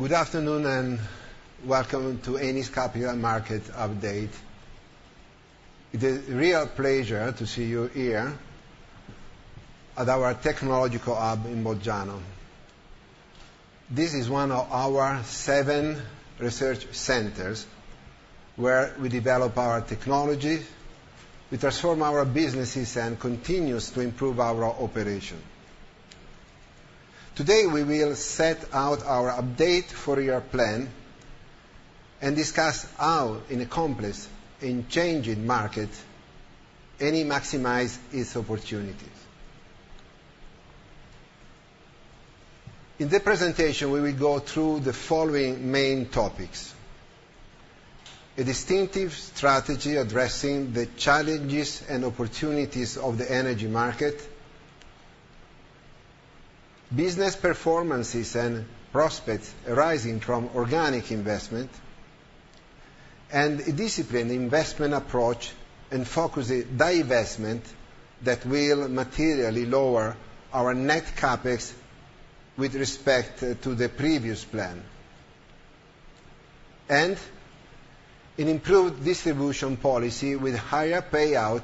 Good afternoon and welcome to Eni's Capital Markets Update. It is a real pleasure to see you here at our technological hub in Bolgiano. This is one of our seven research centers where we develop our technology, we transform our businesses, and continue to improve our operations. Today we will set out our update for your plan and discuss how, in a complex, in-changing market, Eni maximizes its opportunities. In the presentation we will go through the following main topics: a distinctive strategy addressing the challenges and opportunities of the energy market, business performances and prospects arising from organic investment, and a disciplined investment approach and focus divestment that will materially lower our net CapEx with respect to the previous plan, and an improved distribution policy with higher payout,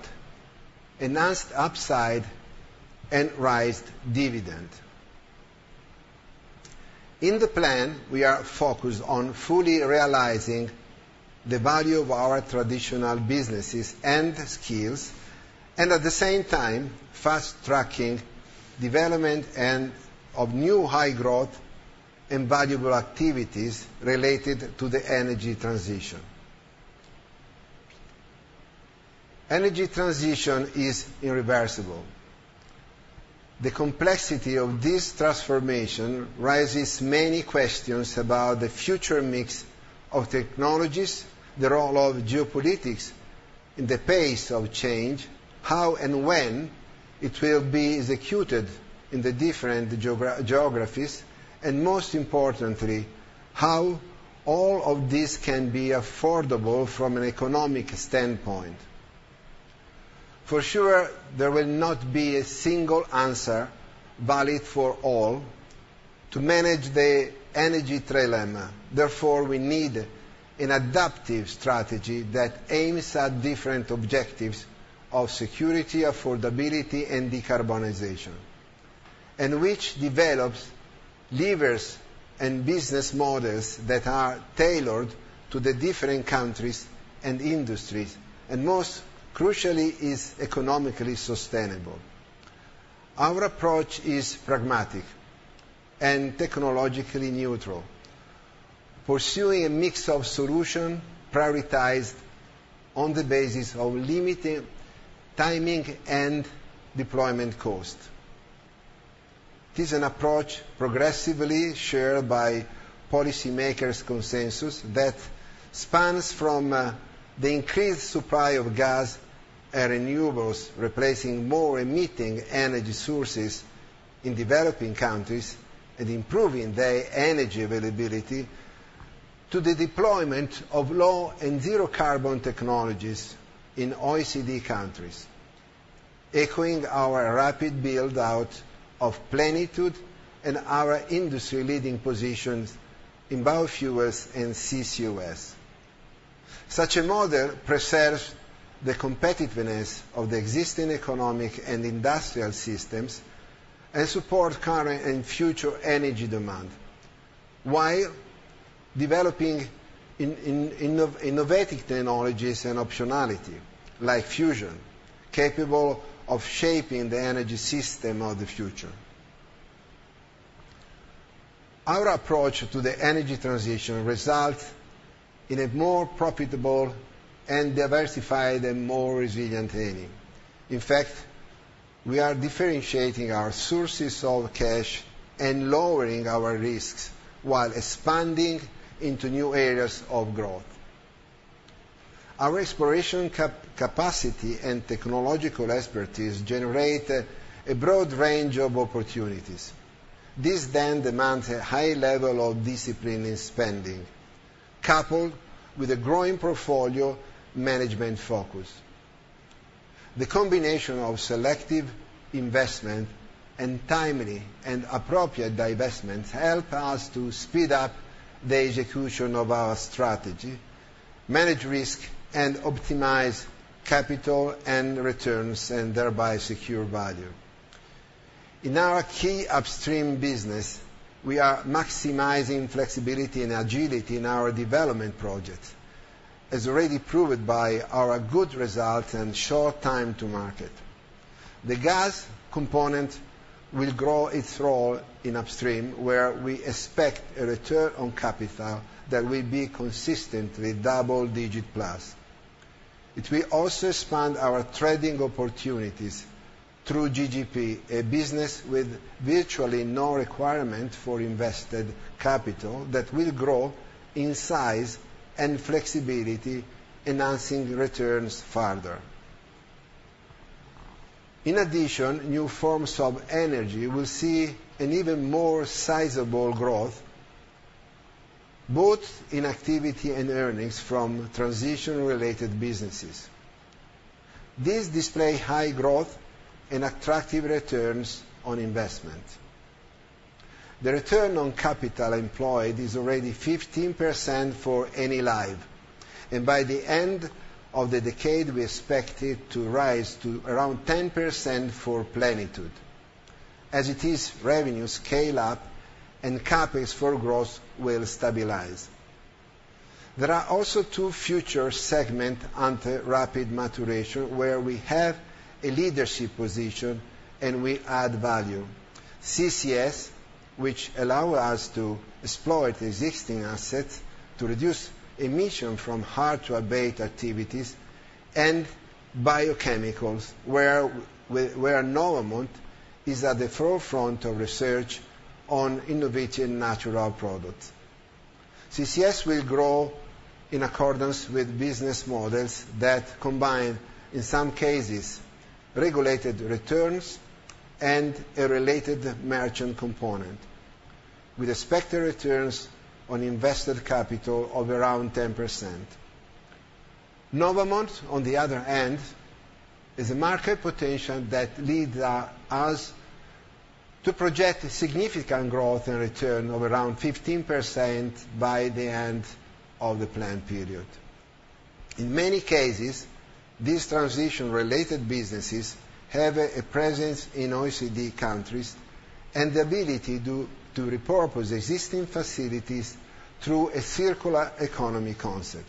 enhanced upside, and raised dividend. In the plan we are focused on fully realizing the value of our traditional businesses and skills, and at the same time fast-tracking development of new high-growth and valuable activities related to the energy transition. Energy transition is irreversible. The complexity of this transformation raises many questions about the future mix of technologies, the role of geopolitics in the pace of change, how and when it will be executed in the different geographies, and most importantly, how all of this can be affordable from an economic standpoint. For sure there will not be a single answer valid for all to manage the energy dilemma. Therefore we need an adaptive strategy that aims at different objectives of security, affordability, and decarbonization, and which develops, levers, and business models that are tailored to the different countries and industries, and most crucially is economically sustainable. Our approach is pragmatic and technologically neutral, pursuing a mix of solutions prioritized on the basis of limiting timing and deployment cost. It is an approach progressively shared by policymakers' consensus that spans from the increased supply of gas and renewables replacing more emitting energy sources in developing countries and improving their energy availability to the deployment of low and zero-carbon technologies in OECD countries, echoing our rapid build-out of Plenitude and our industry-leading positions in biofuels and CCUS. Such a model preserves the competitiveness of the existing economic and industrial systems and supports current and future energy demand, while developing innovative technologies and optionality, like fusion, capable of shaping the energy system of the future. Our approach to the energy transition results in a more profitable, diversified, and more resilient Eni. In fact, we are differentiating our sources of cash and lowering our risks while expanding into new areas of growth. Our exploration capacity and technological expertise generate a broad range of opportunities. This then demands a high level of discipline in spending, coupled with a growing portfolio management focus. The combination of selective investment and timely and appropriate divestment helps us to speed up the execution of our strategy, manage risk, and optimize capital and returns, and thereby secure value. In our key upstream business we are maximizing flexibility and agility in our development projects, as already proven by our good results and short time to market. The gas component will grow its role in upstream, where we expect a return on capital that will be consistently double-digit plus. It will also expand our trading opportunities through GGP, a business with virtually no requirement for invested capital that will grow in size and flexibility, enhancing returns further. In addition, new forms of energy will see an even more sizable growth, both in activity and earnings, from transition-related businesses. These display high growth and attractive returns on investment. The return on capital employed is already 15% for Enilive, and by the end of the decade we expect it to rise to around 10% for Plenitude, as its revenues scale up and CapEx for growth will stabilize. There are also two future segments under rapid maturation where we have a leadership position and we add value: CCS, which allows us to exploit existing assets to reduce emissions from hard-to-abate activities, and biochemicals, where Novamont is at the forefront of research on innovative natural products. CCS will grow in accordance with business models that combine, in some cases, regulated returns and a related merchant component, with expected returns on invested capital of around 10%. Novamont, on the other hand, is a market potential that leads us to project significant growth and return of around 15% by the end of the planned period. In many cases these transition-related businesses have a presence in OECD countries and the ability to repurpose existing facilities through a circular economy concept.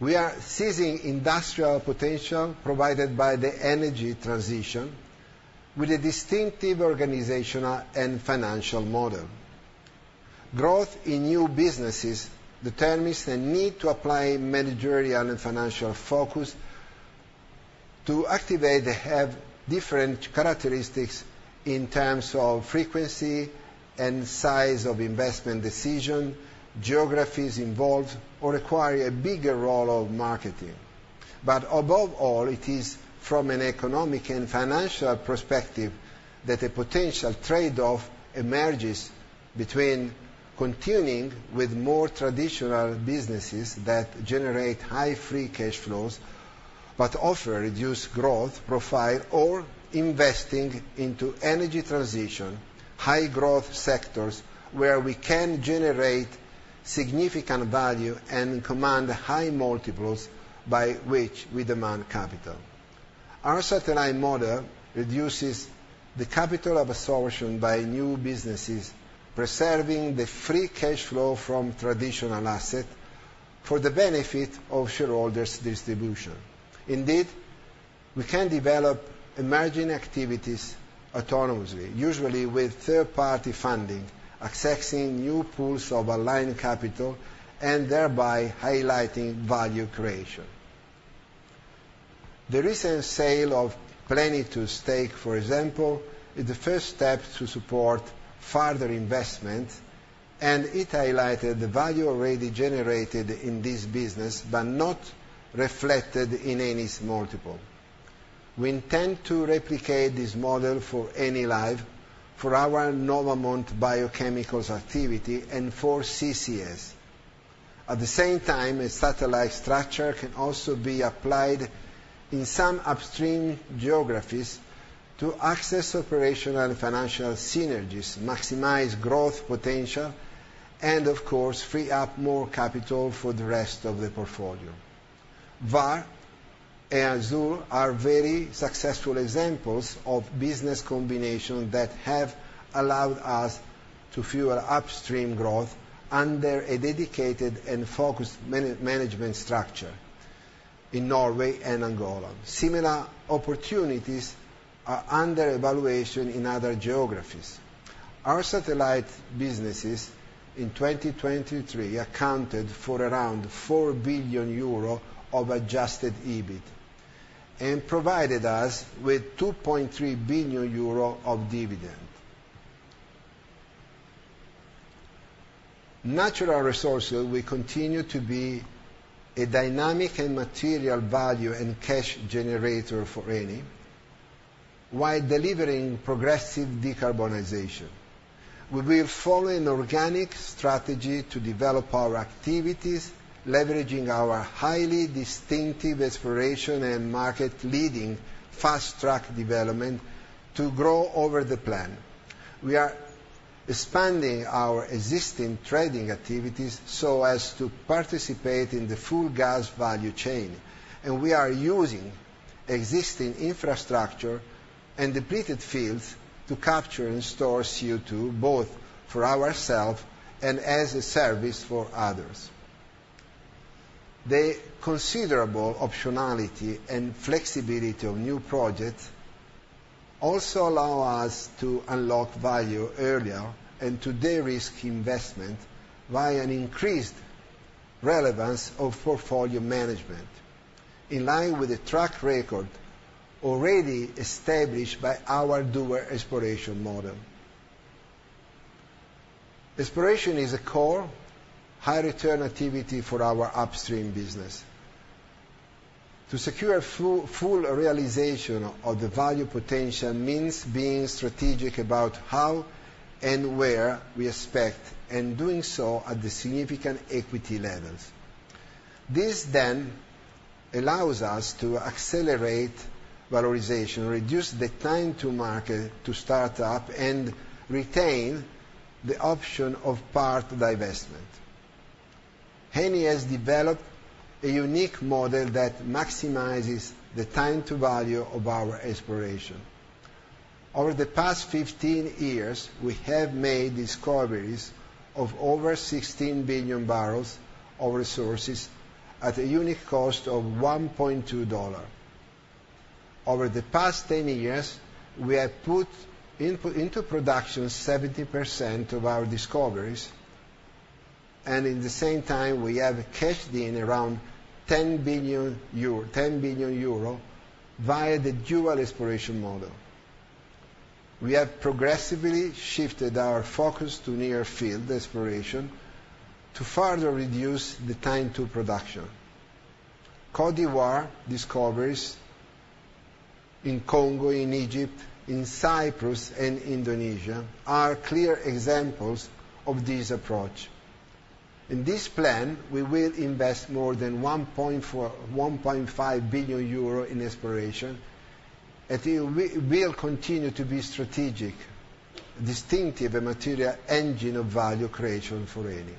We are seizing industrial potential provided by the energy transition with a distinctive organizational and financial model. Growth in new businesses determines the need to apply managerial and financial focus to activities that have different characteristics in terms of frequency and size of investment decision, geographies involved, or require a bigger role of marketing. But above all it is from an economic and financial perspective that a potential trade-off emerges between continuing with more traditional businesses that generate high free cash flows but offer reduced growth profile or investing into energy transition high-growth sectors where we can generate significant value and command high multiples by which we demand capital. Our satellite model reduces the capital absorption by new businesses, preserving the free cash flow from traditional assets for the benefit of shareholders' distribution. Indeed we can develop emerging activities autonomously, usually with third-party funding, accessing new pools of aligned capital, and thereby highlighting value creation. The recent sale of Plenitude stake, for example, is the first step to support further investment, and it highlighted the value already generated in this business but not reflected in Eni's multiple. We intend to replicate this model for Enilive, for our Novamont biochemicals activity, and for CCS. At the same time a satellite structure can also be applied in some upstream geographies to access operational and financial synergies, maximize growth potential, and of course free up more capital for the rest of the portfolio. Vår and Azule are very successful examples of business combinations that have allowed us to fuel upstream growth under a dedicated and focused management structure in Norway and Angola. Similar opportunities are under evaluation in other geographies. Our satellite businesses in 2023 accounted for around 4 billion euro of adjusted EBIT and provided us with 2.3 billion euro of dividend. Natural resources will continue to be a dynamic and material value and cash generator for Eni, while delivering progressive decarbonization. We will follow an organic strategy to develop our activities, leveraging our highly distinctive exploration and market-leading fast-track development to grow over the plan. We are expanding our existing trading activities so as to participate in the full gas value chain, and we are using existing infrastructure and depleted fields to capture and store CO2, both for ourselves and as a service for others. The considerable optionality and flexibility of new projects also allow us to unlock value earlier and to de-risk investment via an increased relevance of portfolio management, in line with a track record already established by our Dual Exploration Model. Exploration is a core high-return activity for our upstream business. To secure full realization of the value potential means being strategic about how and where we expect, and doing so at the significant equity levels. This then allows us to accelerate valorization, reduce the time-to-market to start up, and retain the option of part divestment. Eni has developed a unique model that maximizes the time-to-value of our exploration. Over the past 15 years we have made discoveries of over 16 billion barrels of resources at a unique cost of $1.2. Over the past 10 years we have put into production 70% of our discoveries, and in the same time we have cashed in around 10 billion euro via the Dual Exploration Model. We have progressively shifted our focus to near-field exploration to further reduce the time-to-production. Côte d'Ivoire discoveries in Congo, in Egypt, in Cyprus, and Indonesia are clear examples of this approach. In this plan we will invest more than 1.5 billion euro in exploration, and it will continue to be strategic, distinctive, a material engine of value creation for Eni.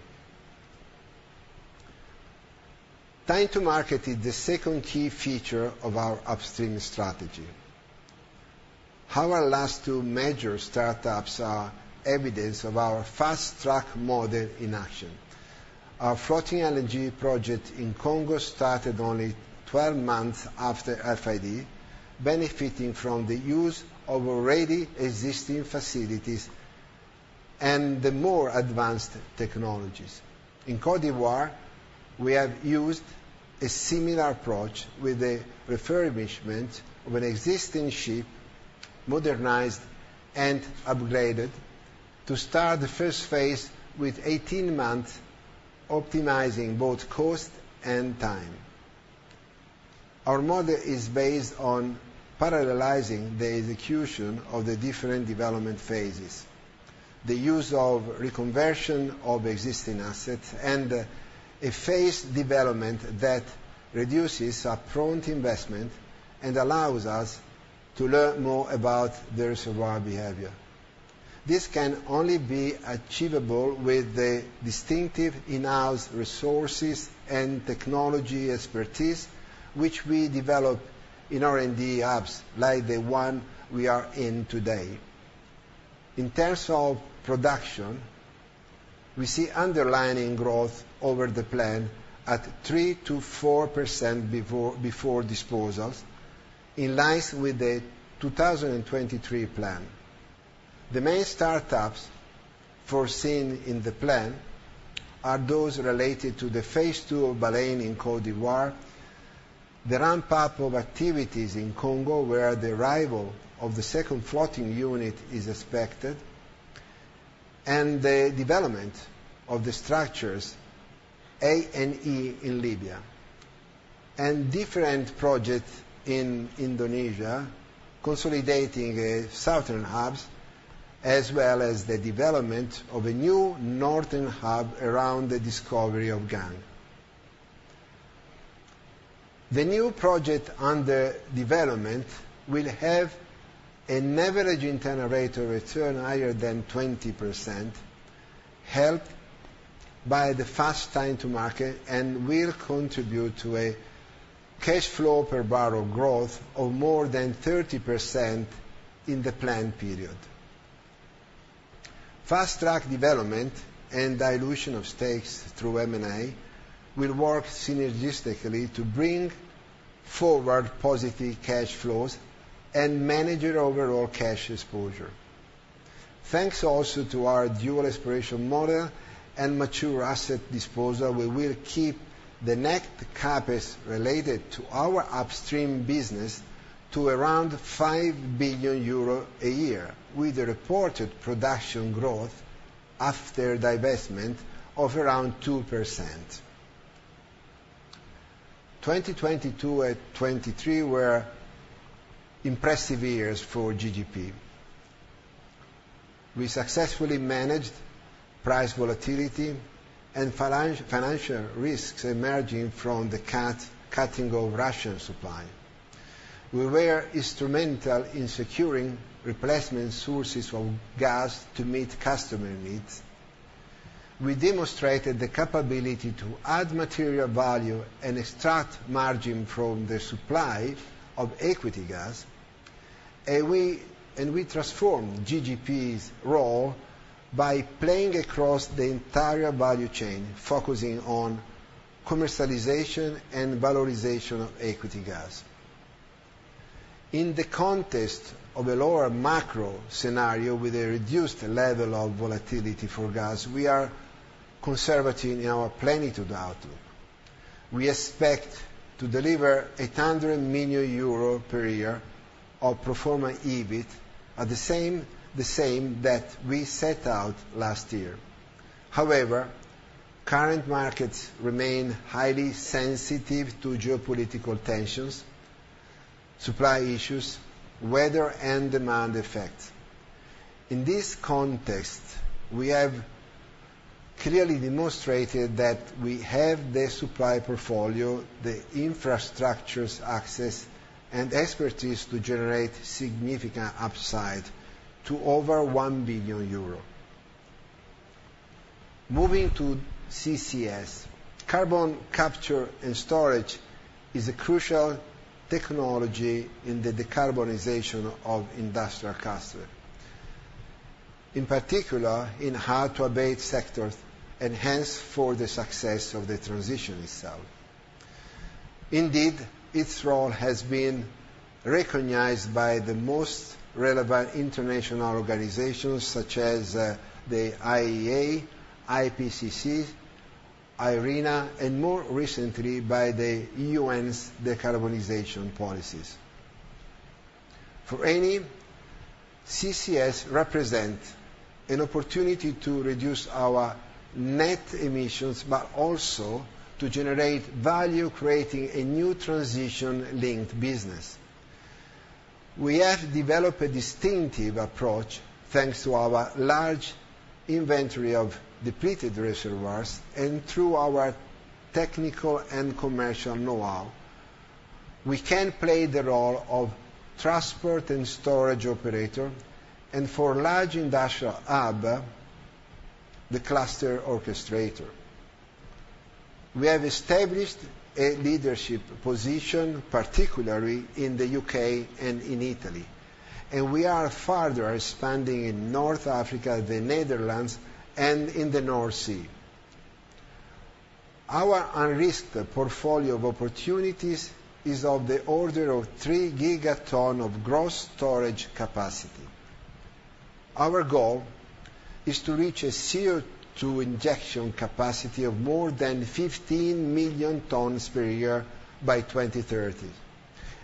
Time-to-market is the second key feature of our upstream strategy. Our last two major startups are evidence of our fast-track model in action. Our floating LNG project in Congo started only 12 months after FID, benefiting from the use of already existing facilities and the more advanced technologies. In Côte d'Ivoire we have used a similar approach with the refurbishment of an existing ship, modernized and upgraded, to start the first phase with 18 months optimizing both cost and time. Our model is based on parallelizing the execution of the different development phases, the use of reconversion of existing assets, and a phased development that reduces upfront investment and allows us to learn more about the reservoir behavior. This can only be achievable with the distinctive in-house resources and technology expertise which we develop in R&D hubs like the one we are in today. In terms of production we see underlying growth over the plan at 3%-4% before disposals, in line with the 2023 plan. The main startups foreseen in the plan are those related to the phase two of Baleine in Côte d'Ivoire, the ramp-up of activities in Congo where the arrival of the second floating unit is expected, and the development of the structures A and E in Libya, and different projects in Indonesia consolidating southern hubs as well as the development of a new northern hub around the discovery of Geng North. The new project under development will have an average internal rate of return higher than 20%, helped by the fast time-to-market, and will contribute to a cash flow per barrel growth of more than 30% in the planned period. Fast-track development and dilution of stakes through M&A will work synergistically to bring forward positive cash flows and manage your overall cash exposure. Thanks also to our dual exploration model and mature asset disposal we will keep the net CapEx related to our upstream business to around 5 billion euros a year, with the reported production growth after divestment of around 2%. 2022 and 2023 were impressive years for GGP. We successfully managed price volatility and financial risks emerging from the cutting of Russian supply. We were instrumental in securing replacement sources of gas to meet customer needs. We demonstrated the capability to add material value and extract margin from the supply of equity gas, and we transformed GGP's role by playing across the entire value chain, focusing on commercialization and valorization of equity gas. In the context of a lower macro scenario with a reduced level of volatility for gas we are conservative in our Plenitude outlook. We expect to deliver 800 million euro per year of pro forma EBIT at the same that we set out last year. However, current markets remain highly sensitive to geopolitical tensions, supply issues, weather and demand effects. In this context we have clearly demonstrated that we have the supply portfolio, the infrastructure access, and expertise to generate significant upside to over 1 billion euro. Moving to CCS, carbon capture and storage is a crucial technology in the decarbonization of industrial clusters, in particular in hard-to-abate sectors, and hence for the success of the transition itself. Indeed its role has been recognized by the most relevant international organizations such as the IEA, IPCC, IRENA, and more recently by the UN's decarbonization policies. For Eni, CCS represents an opportunity to reduce our net emissions but also to generate value creating a new transition-linked business. We have developed a distinctive approach thanks to our large inventory of depleted reservoirs and through our technical and commercial know-how we can play the role of transport and storage operator, and for large industrial hubs the cluster orchestrator. We have established a leadership position particularly in the U.K. and in Italy, and we are further expanding in North Africa, the Netherlands, and in the North Sea. Our unrisked portfolio of opportunities is of the order of 3 gigatons of gross storage capacity. Our goal is to reach a CO2 injection capacity of more than 15 million tons per year by 2030,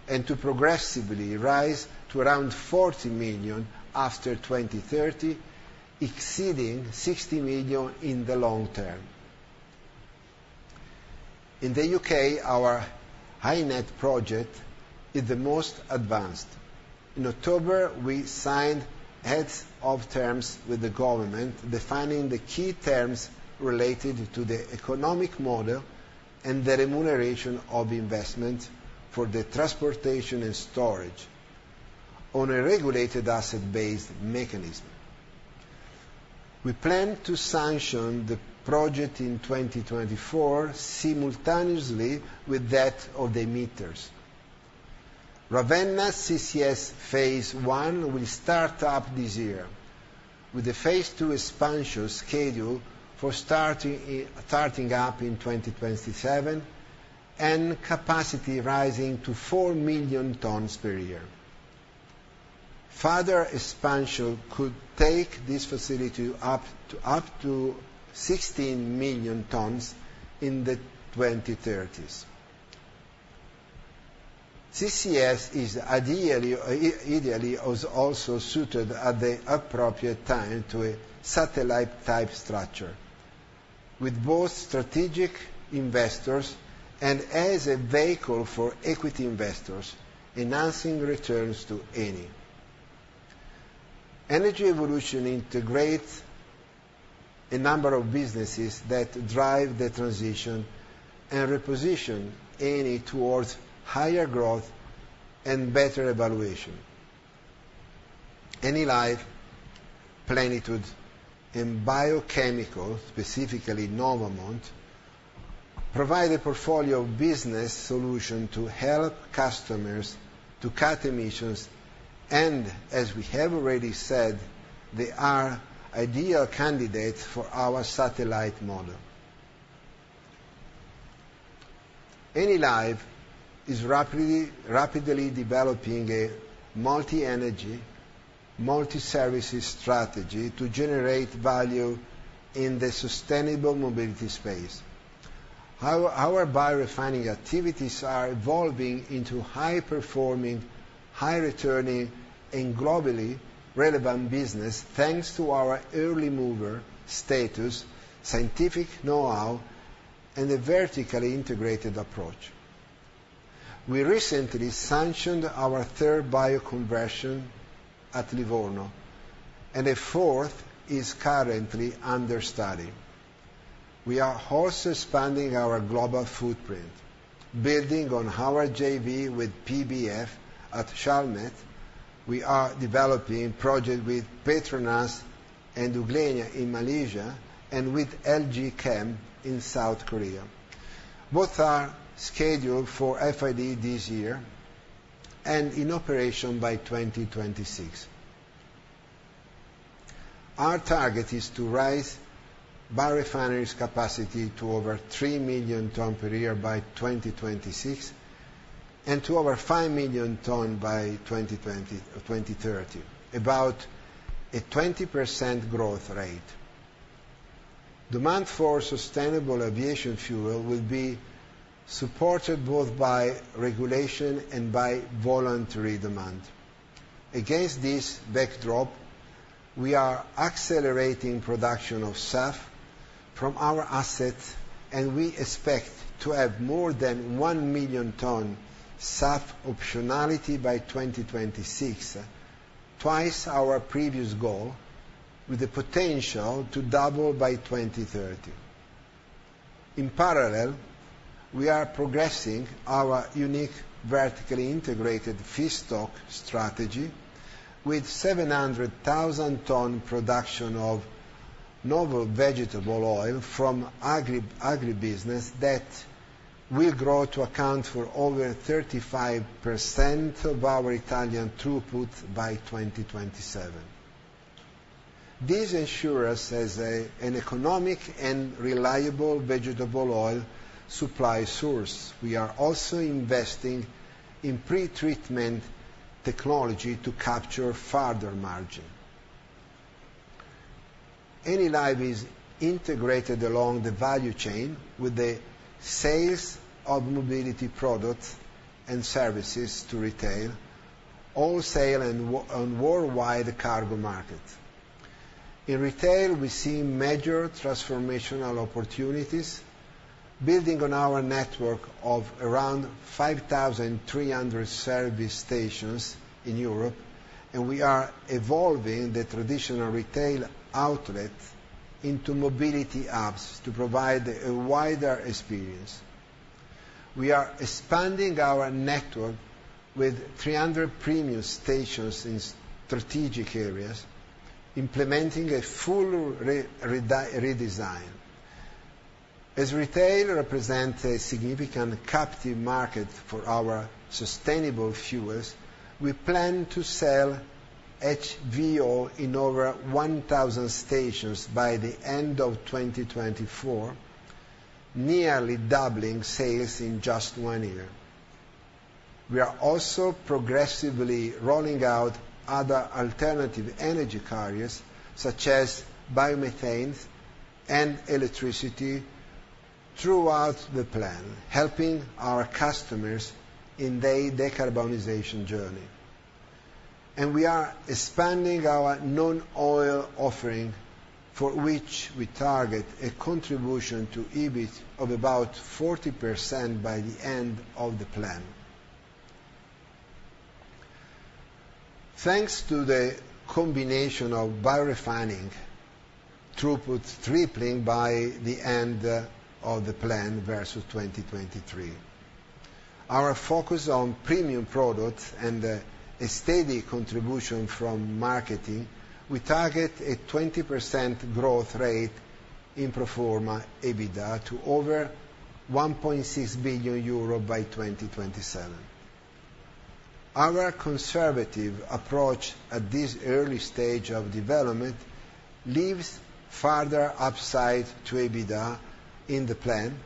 and to progressively rise to around 40 million after 2030, exceeding 60 million in the long term. In the U.K. our HyNet project is the most advanced. In October we signed Heads of Terms with the government defining the key terms related to the economic model and the remuneration of investment for the transportation and storage on a regulated asset-based mechanism. We plan to sanction the project in 2024 simultaneously with that of the emmiters. Ravenna CCS phase one will start up this year, with the phase two expansion schedule for starting up in 2027 and capacity rising to 4 million tons per year. Further expansion could take this facility up to 16 million tons in the 2030s. CCS is ideally also suited at the appropriate time to a satellite-type structure, with both strategic investors and as a vehicle for equity investors enhancing returns to Eni. Energy evolution integrates a number of businesses that drive the transition and reposition Eni towards higher growth and better evaluation. Enilive, Plenitude, and Versalis, specifically Novamont, provide a portfolio of business solutions to help customers to cut emissions and, as we have already said, they are ideal candidates for our satellite model. Enilive is rapidly developing a multi-energy, multi-services strategy to generate value in the sustainable mobility space. Our biorefining activities are evolving into high-performing, high-returning, and globally relevant business thanks to our early-mover status, scientific know-how, and a vertically integrated approach. We recently sanctioned our third bioconversion at Livorno, and a fourth is currently under study. We are constantly expanding our global footprint, building on our JV with PBF at Chalmette. We are developing projects with Petronas and Euglena in Malaysia, and with LG Chem in South Korea. Both are scheduled for FID this year and in operation by 2026. Our target is to raise biorefineries' capacity to over 3 million tons per year by 2026, and to over 5 million tons by 2030, about a 20% growth rate. Demand for sustainable aviation fuel will be supported both by regulation and by voluntary demand. Against this backdrop we are accelerating production of SAF from our assets, and we expect to have more than 1 million tons SAF optionality by 2026, twice our previous goal, with the potential to double by 2030. In parallel we are progressing our unique vertically integrated feedstock strategy with 700,000-ton production of novel vegetable oil from agribusiness that will grow to account for over 35% of our Italian throughput by 2027. This ensures us as an economic and reliable vegetable oil supply source. We are also investing in pre-treatment technology to capture further margin. Enilive is integrated along the value chain with the sales of mobility products and services to retail, wholesale and worldwide cargo markets. In retail we see major transformational opportunities, building on our network of around 5,300 service stations in Europe, and we are evolving the traditional retail outlet into mobility hubs to provide a wider experience. We are expanding our network with 300 premium stations in strategic areas, implementing a full redesign. As retail represents a significant captive market for our sustainable fuels we plan to sell HVO in over 1,000 stations by the end of 2024, nearly doubling sales in just one year. We are also progressively rolling out other alternative energy carriers such as biomethane and electricity throughout the plan, helping our customers in their decarbonization journey. We are expanding our non-oil offering for which we target a contribution to EBIT of about 40% by the end of the plan. Thanks to the combination of biorefining throughput tripling by the end of the plan versus 2023. Our focus on premium products and a steady contribution from marketing, we target a 20% growth rate in pro forma EBITDA to over 1.6 billion euro by 2027. Our conservative approach at this early stage of development leaves further upside to EBITDA in the plan,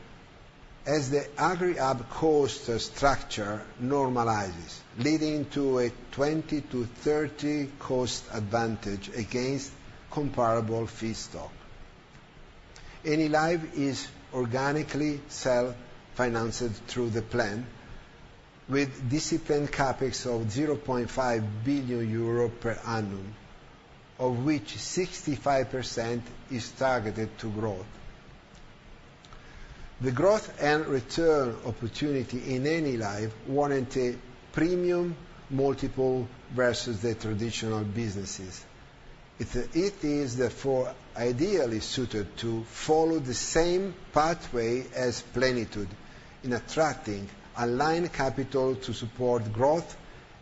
as the agri-hub cost structure normalizes, leading to a 20-30 cost advantage against comparable feedstock. Enilive is organically self-financed through the plan, with disciplined CapEx of 0.5 billion euro per annum, of which 65% is targeted to growth. The growth and return opportunity in Enilive warrants a premium multiple versus the traditional businesses. It is therefore ideally suited to follow the same pathway as Plenitude in attracting, aligning capital to support growth,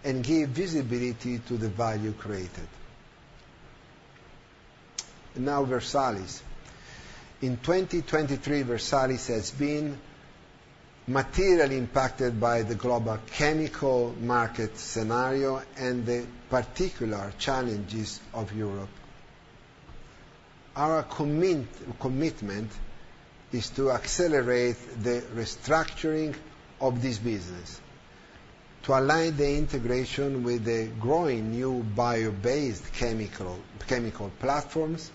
and give visibility to the value created. Now Versalis. In 2023 Versalis has been materially impacted by the global chemical market scenario and the particular challenges of Europe. Our commitment is to accelerate the restructuring of this business, to align the integration with the growing new bio-based chemical chemical platforms,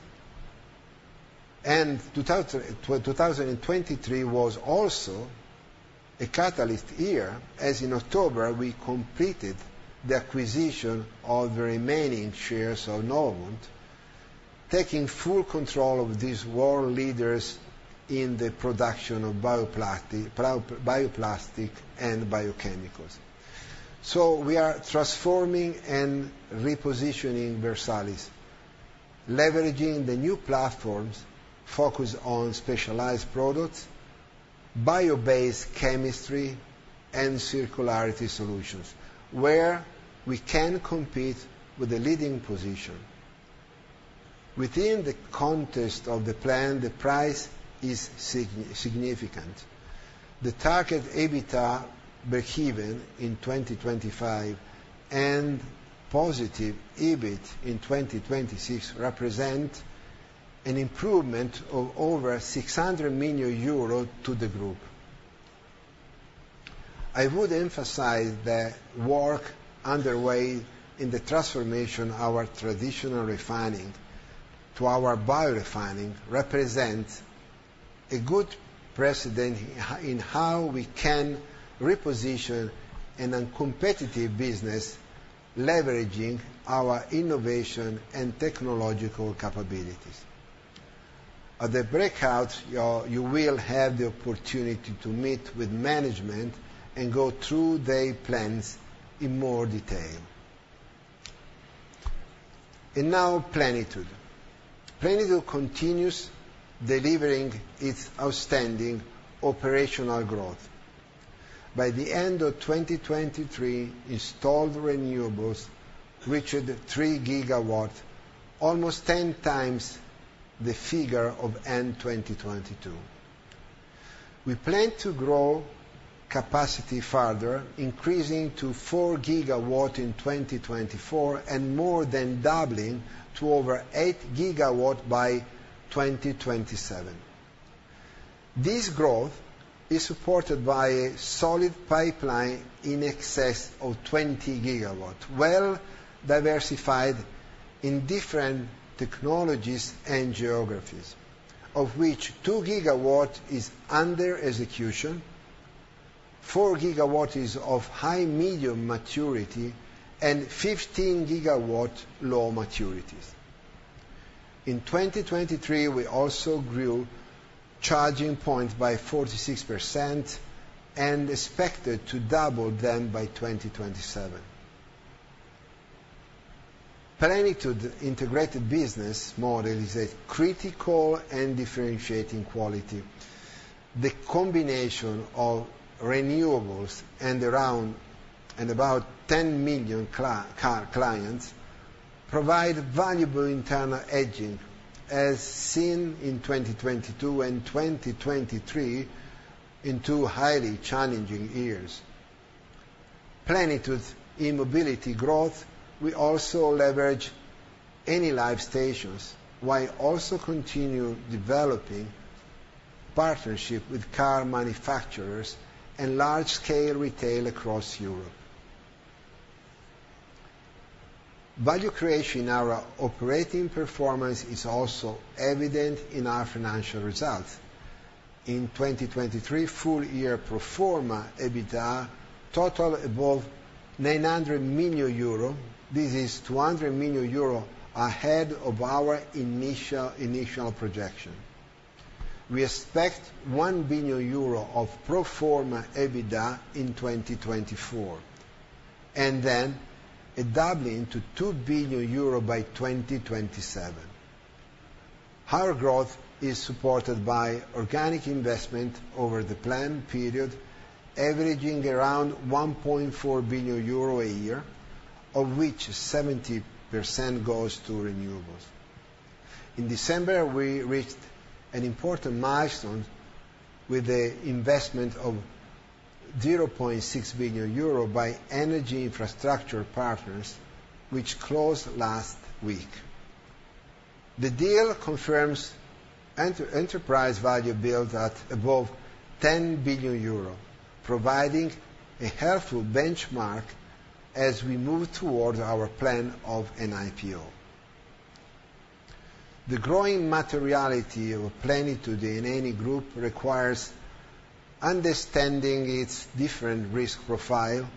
and 2023 was also a catalyst year, as in October we completed the acquisition of the remaining shares of Novamont, taking full control of these world leaders in the production of bioplastic bioplastic and biochemicals. So we are transforming and repositioning Versalis, leveraging the new platforms focused on specialized products, bio-based chemistry, and circularity solutions, where we can compete with a leading position. Within the context of the plan the price is significant. The target EBITDA being in 2025 and positive EBIT in 2026 represent an improvement of over 600 million euros to the group. I would emphasize that work underway in the transformation of our traditional refining to our biorefining represents a good precedent in how we can reposition an uncompetitive business leveraging our innovation and technological capabilities. At the breakout you will have the opportunity to meet with management and go through their plans in more detail. Now Plenitude. Plenitude continues delivering its outstanding operational growth. By the end of 2023 installed renewables reached 3 GW, almost 10 times the figure of end 2022. We plan to grow capacity further, increasing to 4 GW in 2024 and more than doubling to over 8 GW by 2027. This growth is supported by a solid pipeline in excess of 20 GW, well diversified in different technologies and geographies, of which 2 GW is under execution, 4 GW is of high-medium maturity, and 15 GW low maturities. In 2023 we also grew charging points by 46% and expected to double them by 2027. Plenitude integrated business model is a critical and differentiating quality. The combination of renewables and around and about 10 million clients provide valuable internal hedging, as seen in 2022 and 2023 in two highly challenging years. Plenitude in mobility growth we also leverage Enilive stations while also continue developing partnerships with car manufacturers and large-scale retail across Europe. Value creation in our operating performance is also evident in our financial results. In 2023 full-year pro forma EBITDA totaled above 900 million euro. This is 200 million euro ahead of our initial projection. We expect 1 billion euro of pro forma EBITDA in 2024, and then a doubling to 2 billion euro by 2027. Our growth is supported by organic investment over the plan period, averaging around 1.4 billion euro a year, of which 70% goes to renewables. In December we reached an important milestone with the investment of 0.6 billion euro by Energy Infrastructure Partners, which closed last week. The deal confirms enterprise value built at above 10 billion euro, providing a helpful benchmark as we move towards our plan of an IPO. The growing materiality of Plenitude in any group requires understanding its different risk profile,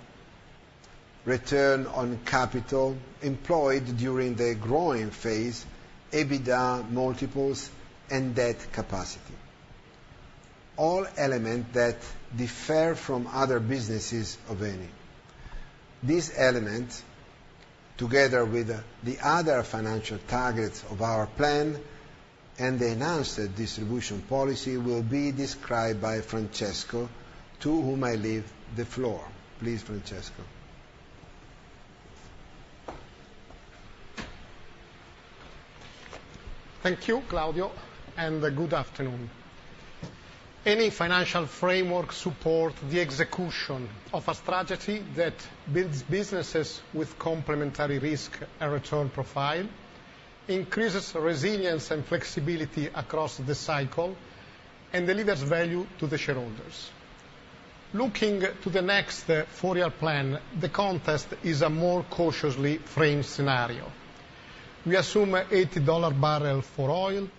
return on capital employed during the growing phase, EBITDA multiples, and debt capacity, all elements that differ from other businesses of Eni. These elements, together with the other financial targets of our plan and the announced distribution policy, will be described by Francesco, to whom I leave the floor. Please, Francesco. Thank you, Claudio, and good afternoon. Our financial framework supports the execution of a strategy that builds businesses with complementary risk and return profile, increases resilience and flexibility across the cycle, and delivers value to the shareholders. Looking to the next four-year plan the context is a more cautiously framed scenario. We assume $80/barrel for oil,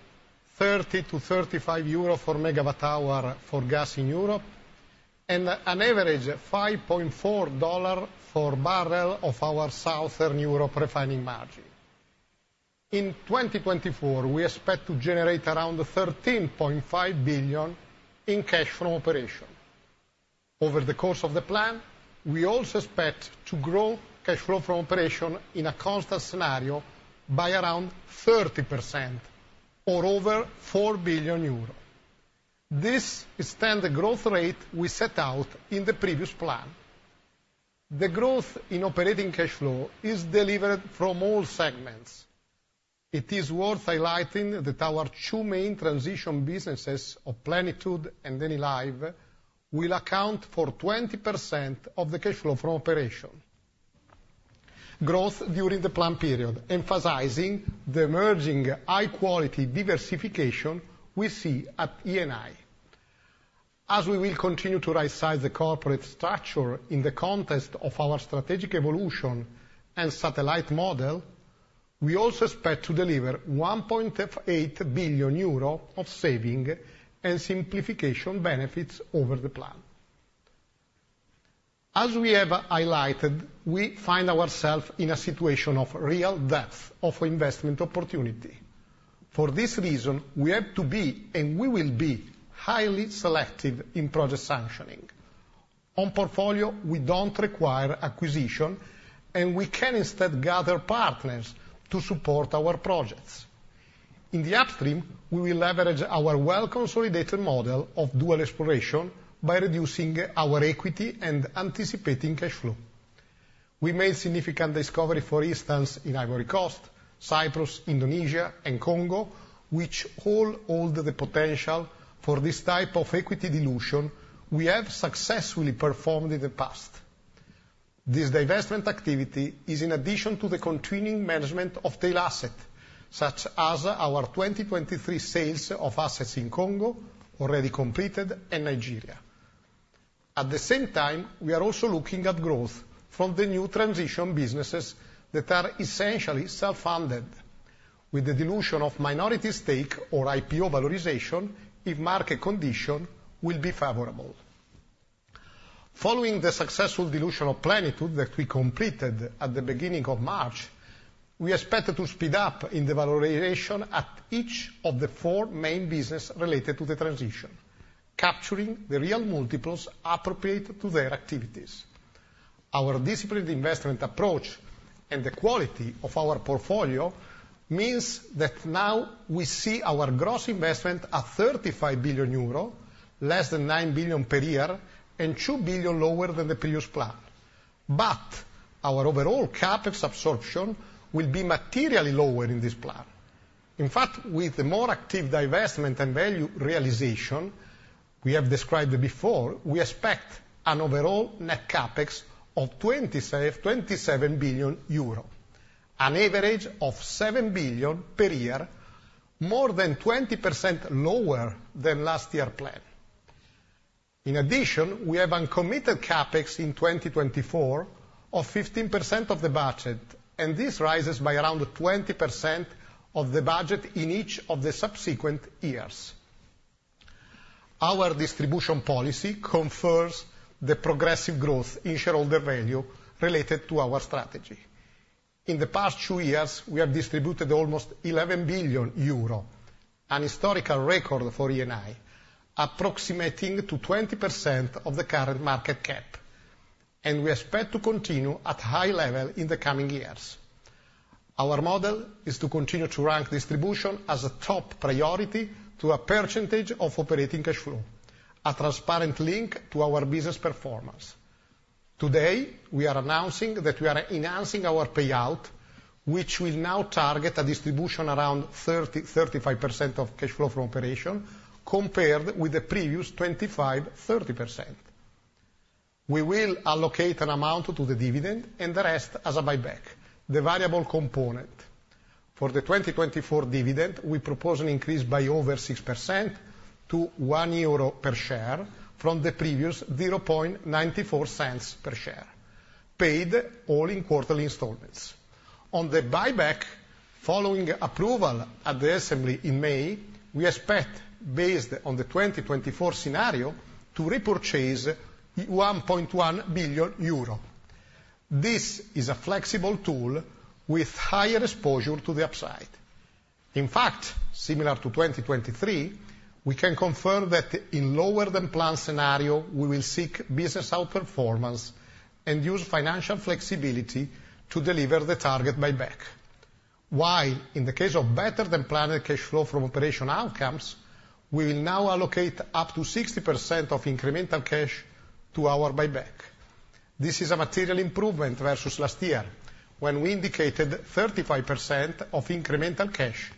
30-35 euro/MWh for gas in Europe, and an average $5.4/barrel of our Southern Europe refining margin. In 2024 we expect to generate around 13.5 billion in cash from operations. Over the course of the plan we also expect to grow cash flow from operation in a constant scenario by around 30%, or over 4 billion euros. This extends the growth rate we set out in the previous plan. The growth in operating cash flow is delivered from all segments. It is worth highlighting that our two main transition businesses of Plenitude and Enilive will account for 20% of the cash flow from operation. Growth during the plan period, emphasizing the emerging high-quality diversification we see at Eni. As we will continue to right-size the corporate structure in the context of our strategic evolution and satellite model we also expect to deliver 1.8 billion euro of saving and simplification benefits over the plan. As we have highlighted we find ourselves in a situation of real depth of investment opportunity. For this reason we have to be, and we will be, highly selective in project sanctioning. On portfolio we don't require acquisition and we can instead gather partners to support our projects. In the upstream we will leverage our well-consolidated model of dual exploration by reducing our equity and anticipating cash flow. We made significant discovery, for instance, in Ivory Coast, Cyprus, Indonesia, and Congo, which all hold the potential for this type of equity dilution we have successfully performed in the past. This divestment activity is in addition to the continuing management of tail assets, such as our 2023 sales of assets in Congo, already completed, and Nigeria. At the same time we are also looking at growth from the new transition businesses that are essentially self-funded, with the dilution of minority stake or IPO valorization, if market condition will be favorable. Following the successful dilution of Plenitude that we completed at the beginning of March, we expect to speed up in the valorization at each of the four main businesses related to the transition, capturing the real multiples appropriate to their activities. Our disciplined investment approach and the quality of our portfolio means that now we see our gross investment at 35 billion euro, less than 9 billion per year, and 2 billion lower than the previous plan. But our overall CapEx absorption will be materially lower in this plan. In fact, with the more active divestment and value realization we have described before, we expect an overall net CapEx of 27 billion euro, an average of 7 billion per year, more than 20% lower than last year's plan. In addition, we have uncommitted CapEx in 2024 of 15% of the budget, and this rises by around 20% of the budget in each of the subsequent years. Our distribution policy confers the progressive growth in shareholder value related to our strategy. In the past two years we have distributed almost 11 billion euro, an historical record for Eni, approximating to 20% of the current market cap. We expect to continue at high level in the coming years. Our model is to continue to rank distribution as a top priority to a percentage of operating cash flow, a transparent link to our business performance. Today we are announcing that we are enhancing our payout, which will now target a distribution around 30%-35% of cash flow from operation, compared with the previous 25%-30%. We will allocate an amount to the dividend and the rest as a buyback, the variable component. For the 2024 dividend we propose an increase by over 6% to 1 euro per share from the previous 0.94 per share, paid all in quarterly installments. On the buyback, following approval at the assembly in May we expect, based on the 2024 scenario, to repurchase 1.1 billion euro. This is a flexible tool with higher exposure to the upside. In fact, similar to 2023 we can confirm that in lower-than-plan scenario we will seek business outperformance and use financial flexibility to deliver the target buyback. While, in the case of better-than-planned cash flow from operation outcomes, we will now allocate up to 60% of incremental cash to our buyback. This is a material improvement versus last year, when we indicated 35% of incremental cash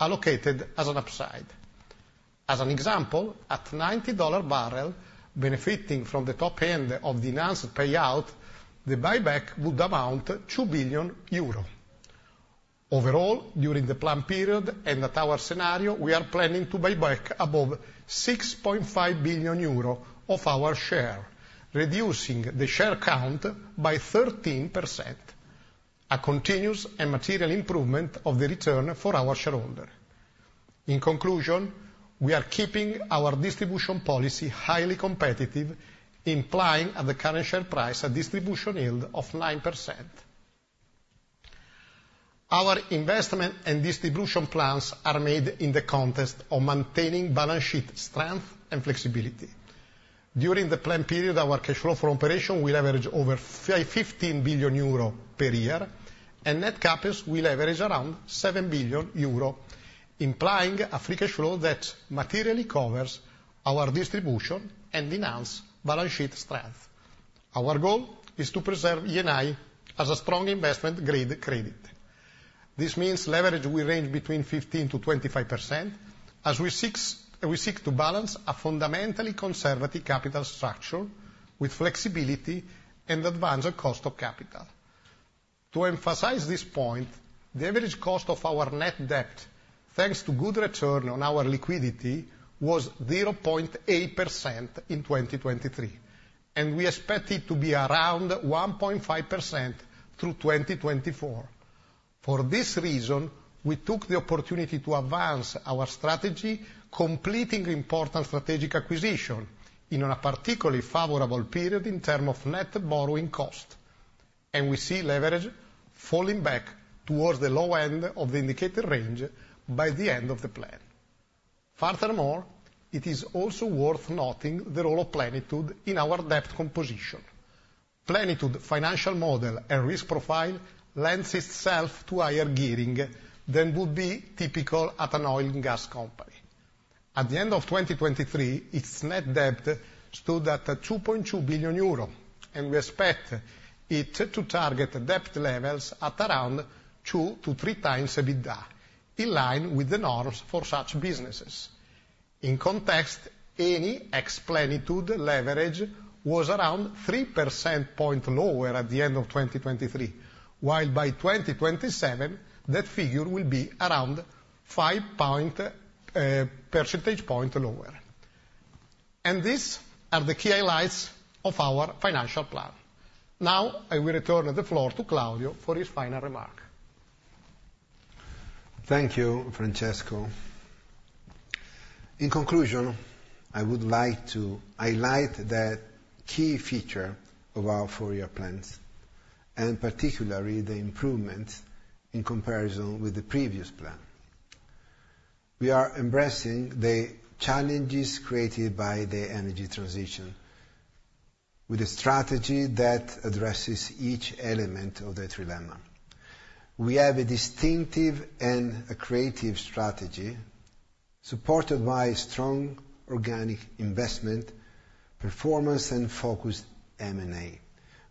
allocated as an upside. As an example, at $90 barrel, benefiting from the top end of the enhanced payout the buyback would amount to 2 billion euro. Overall, during the plan period and at our scenario we are planning to buyback above 6.5 billion euro of our share, reducing the share count by 13%. A continuous and material improvement of the return for our shareholders. In conclusion we are keeping our distribution policy highly competitive, implying at the current share price a distribution yield of 9%. Our investment and distribution plans are made in the context of maintaining balance sheet strength and flexibility. During the plan period our cash flow from operation will average over 15 billion euro per year, and net CapEx will average around 7 billion euro, implying a free cash flow that materially covers our distribution and enhanced balance sheet strength. Our goal is to preserve Eni as a strong investment grade credit. This means leverage will range between 15%-25%, as we seek to balance a fundamentally conservative capital structure with flexibility and advanced cost of capital. To emphasize this point the average cost of our net debt, thanks to good return on our liquidity, was 0.8% in 2023. We expect it to be around 1.5% through 2024. For this reason we took the opportunity to advance our strategy, completing important strategic acquisitions in a particularly favorable period in terms of net borrowing cost. We see leverage falling back towards the low end of the indicated range by the end of the plan. Furthermore it is also worth noting the role of Plenitude in our debt composition. Plenitude financial model and risk profile lends itself to higher gearing than would be typical at an oil and gas company. At the end of 2023 its net debt stood at 2.2 billion euro, and we expect it to target debt levels at around 2-3 times EBITDA, in line with the norms for such businesses. In context Eni ex-Plenitude leverage was around three percentage points lower at the end of 2023, while by 2027 that figure will be around five percentage points lower. These are the key highlights of our financial plan. Now I will return the floor to Claudio for his final remark. Thank you, Francesco. In conclusion, I would like to highlight the key feature of our four-year plans, and particularly the improvements in comparison with the previous plan. We are embracing the challenges created by the energy transition, with a strategy that addresses each element of the trilemma. We have a distinctive and a creative strategy, supported by strong organic investment, performance, and focused M&A.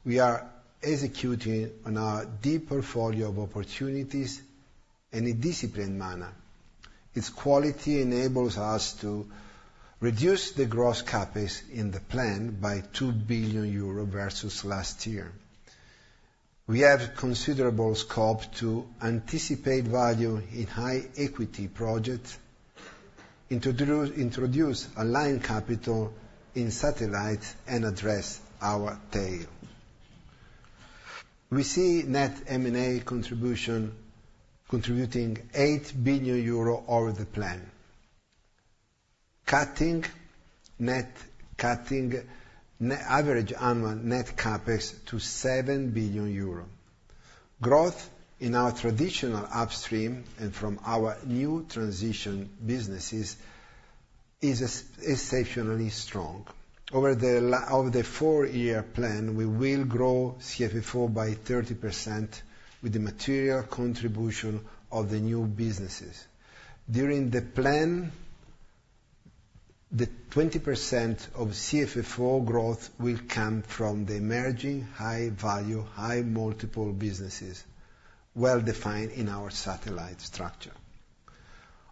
We are executing on our deep portfolio of opportunities in a disciplined manner. Its quality enables us to reduce the gross CapEx in the plan by 2 billion euro versus last year. We have considerable scope to anticipate value in high equity projects, introduce aligned capital in satellites, and address our tail. We see net M&A contribution contributing 8 billion euro over the plan, cutting average annual net CapEx to 7 billion euro. Growth in our traditional upstream and from our new transition businesses is exceptionally strong. Over the four-year plan we will grow CFFO by 30% with the material contribution of the new businesses. During the plan the 20% of CFFO growth will come from the emerging high value, high multiple businesses, well defined in our satellite structure.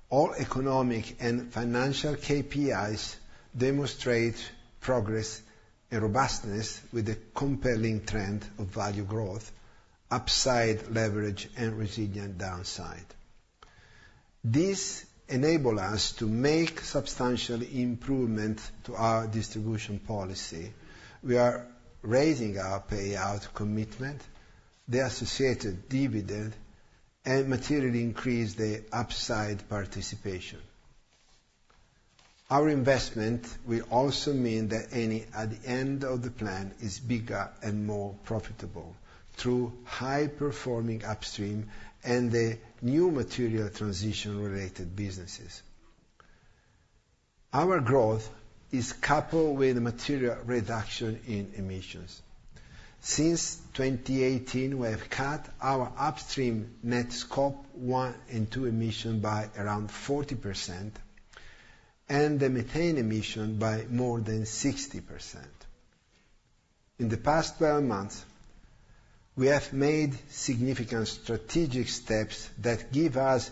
All economic and financial KPIs demonstrate progress and robustness with a compelling trend of value growth, upside leverage, and resilient downside. This enables us to make substantial improvements to our distribution policy. We are raising our payout commitment, the associated dividend, and materially increase the upside participation. Our investment will also mean that Eni at the end of the plan is bigger and more profitable, through high-performing upstream and the new material transition-related businesses. Our growth is coupled with material reduction in emissions. Since 2018 we have cut our upstream net Scope 1 and 2 emissions by around 40%, and the methane emissions by more than 60%. In the past 12 months we have made significant strategic steps that give us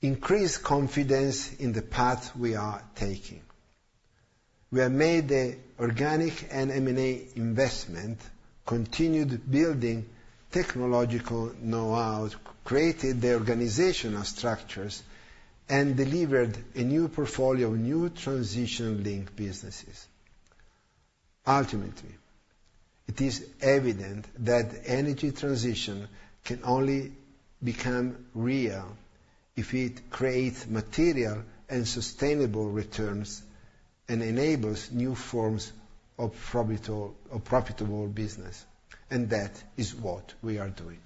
increased confidence in the path we are taking. We have made the organic and M&A investments, continued building technological know-how, created the organizational structures, and delivered a new portfolio of new transition-linked businesses. Ultimately it is evident that energy transition can only become real if it creates material and sustainable returns and enables new forms of profitable business. That is what we are doing.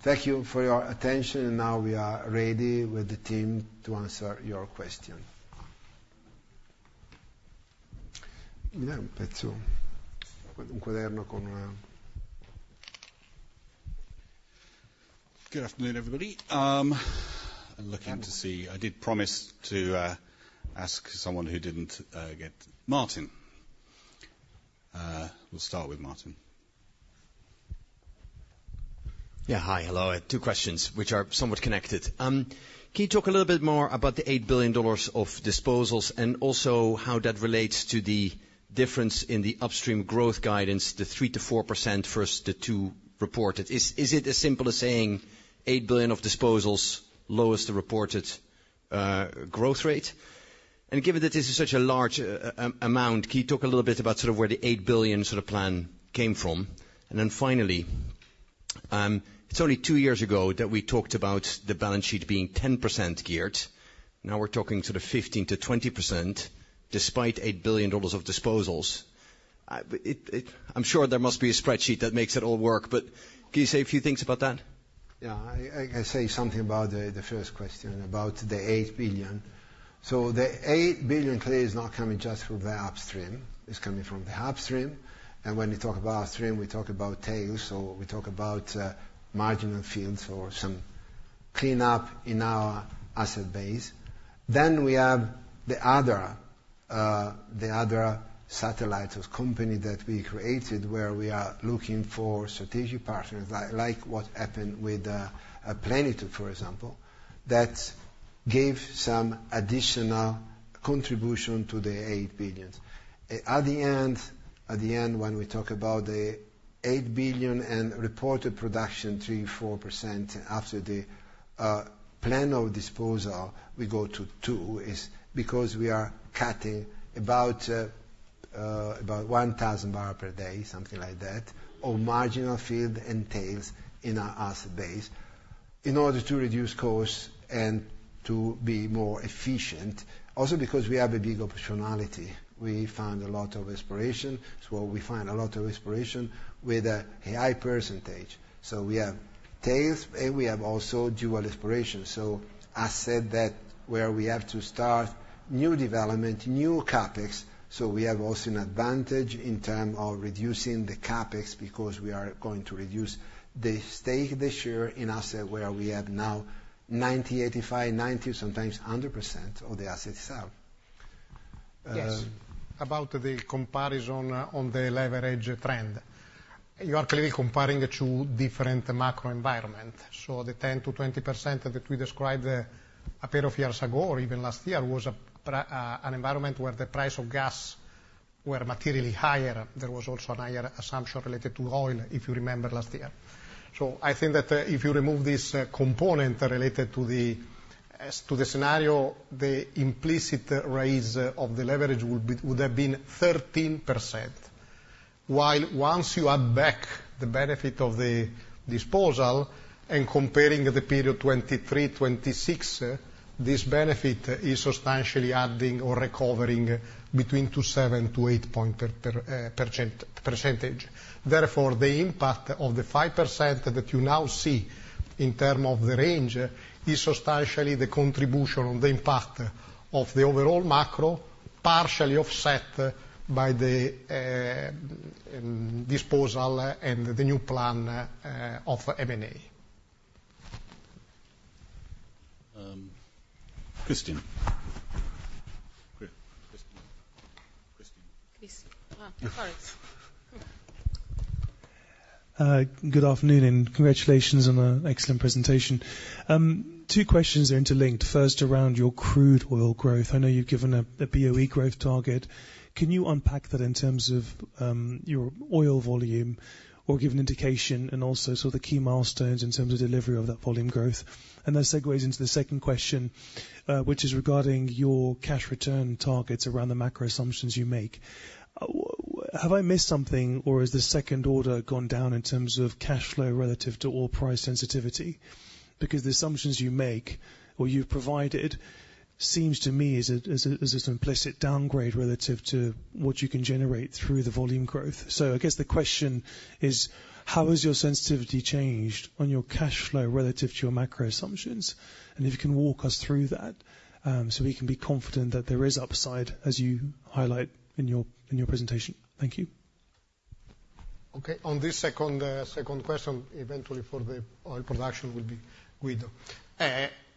Thank you for your attention and now we are ready with the team to answer your questions. Good afternoon, everybody. I'm looking to see. I did promise to ask someone who didn't get. Martin. We'll start with Martin. Yeah, hi, hello. Two questions, which are somewhat connected. Can you talk a little bit more about the $8 billion of disposals and also how that relates to the difference in the upstream growth guidance, the 3%-4% versus the 2% reported? Is it as simple as saying $8 billion of disposals lowers the reported growth rate? And given that this is such a large amount, can you talk a little bit about sort of where the $8 billion sort of plan came from? And then finally, it's only two years ago that we talked about the balance sheet being 10% geared. Now we're talking sort of 15%-20%, despite $8 billion of disposals. I'm sure there must be a spreadsheet that makes it all work, but can you say a few things about that? Yeah, I can say something about the first question, about the 8 billion. So the 8 billion clearly is not coming just from the upstream. It's coming from the upstream. And when we talk about upstream we talk about tails, so we talk about marginal fields or some cleanup in our asset base. Then we have the other, the other satellite of company that we created where we are looking for strategic partners, like what happened with Plenitude, for example, that gave some additional contribution to the 8 billion. At the end, at the end when we talk about the 8 billion and reported production 3%-4% after the plan of disposal we go to 2 is because we are cutting about, about 1,000 barrels per day, something like that, of marginal field and tails in our asset base, in order to reduce costs and to be more efficient. Also because we have a big operationality. We found a lot of exploration, so we find a lot of exploration with a high percentage. So we have tails and we have also dual exploration, so assets that where we have to start new development, new CapEx, so we have also an advantage in terms of reducing the CapEx because we are going to reduce the stake this year in assets where we have now 90, 85, 90, sometimes 100% of the assets itself. Yes. About the comparison on the leverage trend. You are clearly comparing two different macro environments. So the 10%-20% that we described a pair of years ago, or even last year, was an environment where the price of gas was materially higher. There was also a higher assumption related to oil, if you remember last year. So I think that if you remove this component related to the scenario, the implicit raise of the leverage would have been 13%. While once you add back the benefit of the disposal and comparing the period 2023-2026 this benefit is substantially adding or recovering between 27 to 8 percentage points. Therefore the impact of the 5% that you now see in terms of the range is substantially the contribution on the impact of the overall macro partially offset by the disposal and the new plan of M&A. Christian. Christian. Good afternoon and congratulations on an excellent presentation. Two questions are interlinked. First around your crude oil growth. I know you've given a BOE growth target. Can you unpack that in terms of your oil volume, or give an indication, and also sort of the key milestones in terms of delivery of that volume growth? And that segues into the second question, which is regarding your cash return targets around the macro assumptions you make. Have I missed something, or has the second order gone down in terms of cash flow relative to oil price sensitivity? Because the assumptions you make, or you've provided, seems to me as an implicit downgrade relative to what you can generate through the volume growth. So I guess the question is how has your sensitivity changed on your cash flow relative to your macro assumptions? And if you can walk us through that, so we can be confident that there is upside, as you highlight in your presentation? Thank you. Okay, on this second question, eventually for the oil production will be Guido.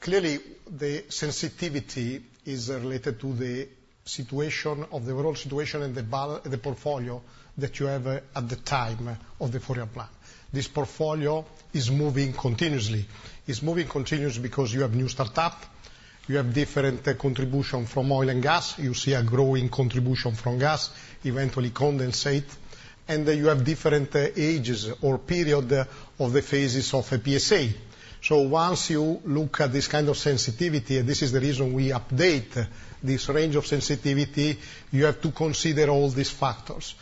Clearly the sensitivity is related to the situation of the overall situation and the portfolio that you have at the time of the four-year plan. This portfolio is moving continuously. It's moving continuously because you have new startups, you have different contributions from oil and gas, you see a growing contribution from gas, eventually condensate, and you have different ages or periods of the phases of a PSA. So once you look at this kind of sensitivity, and this is the reason we update this range of sensitivity, you have to consider all these factors.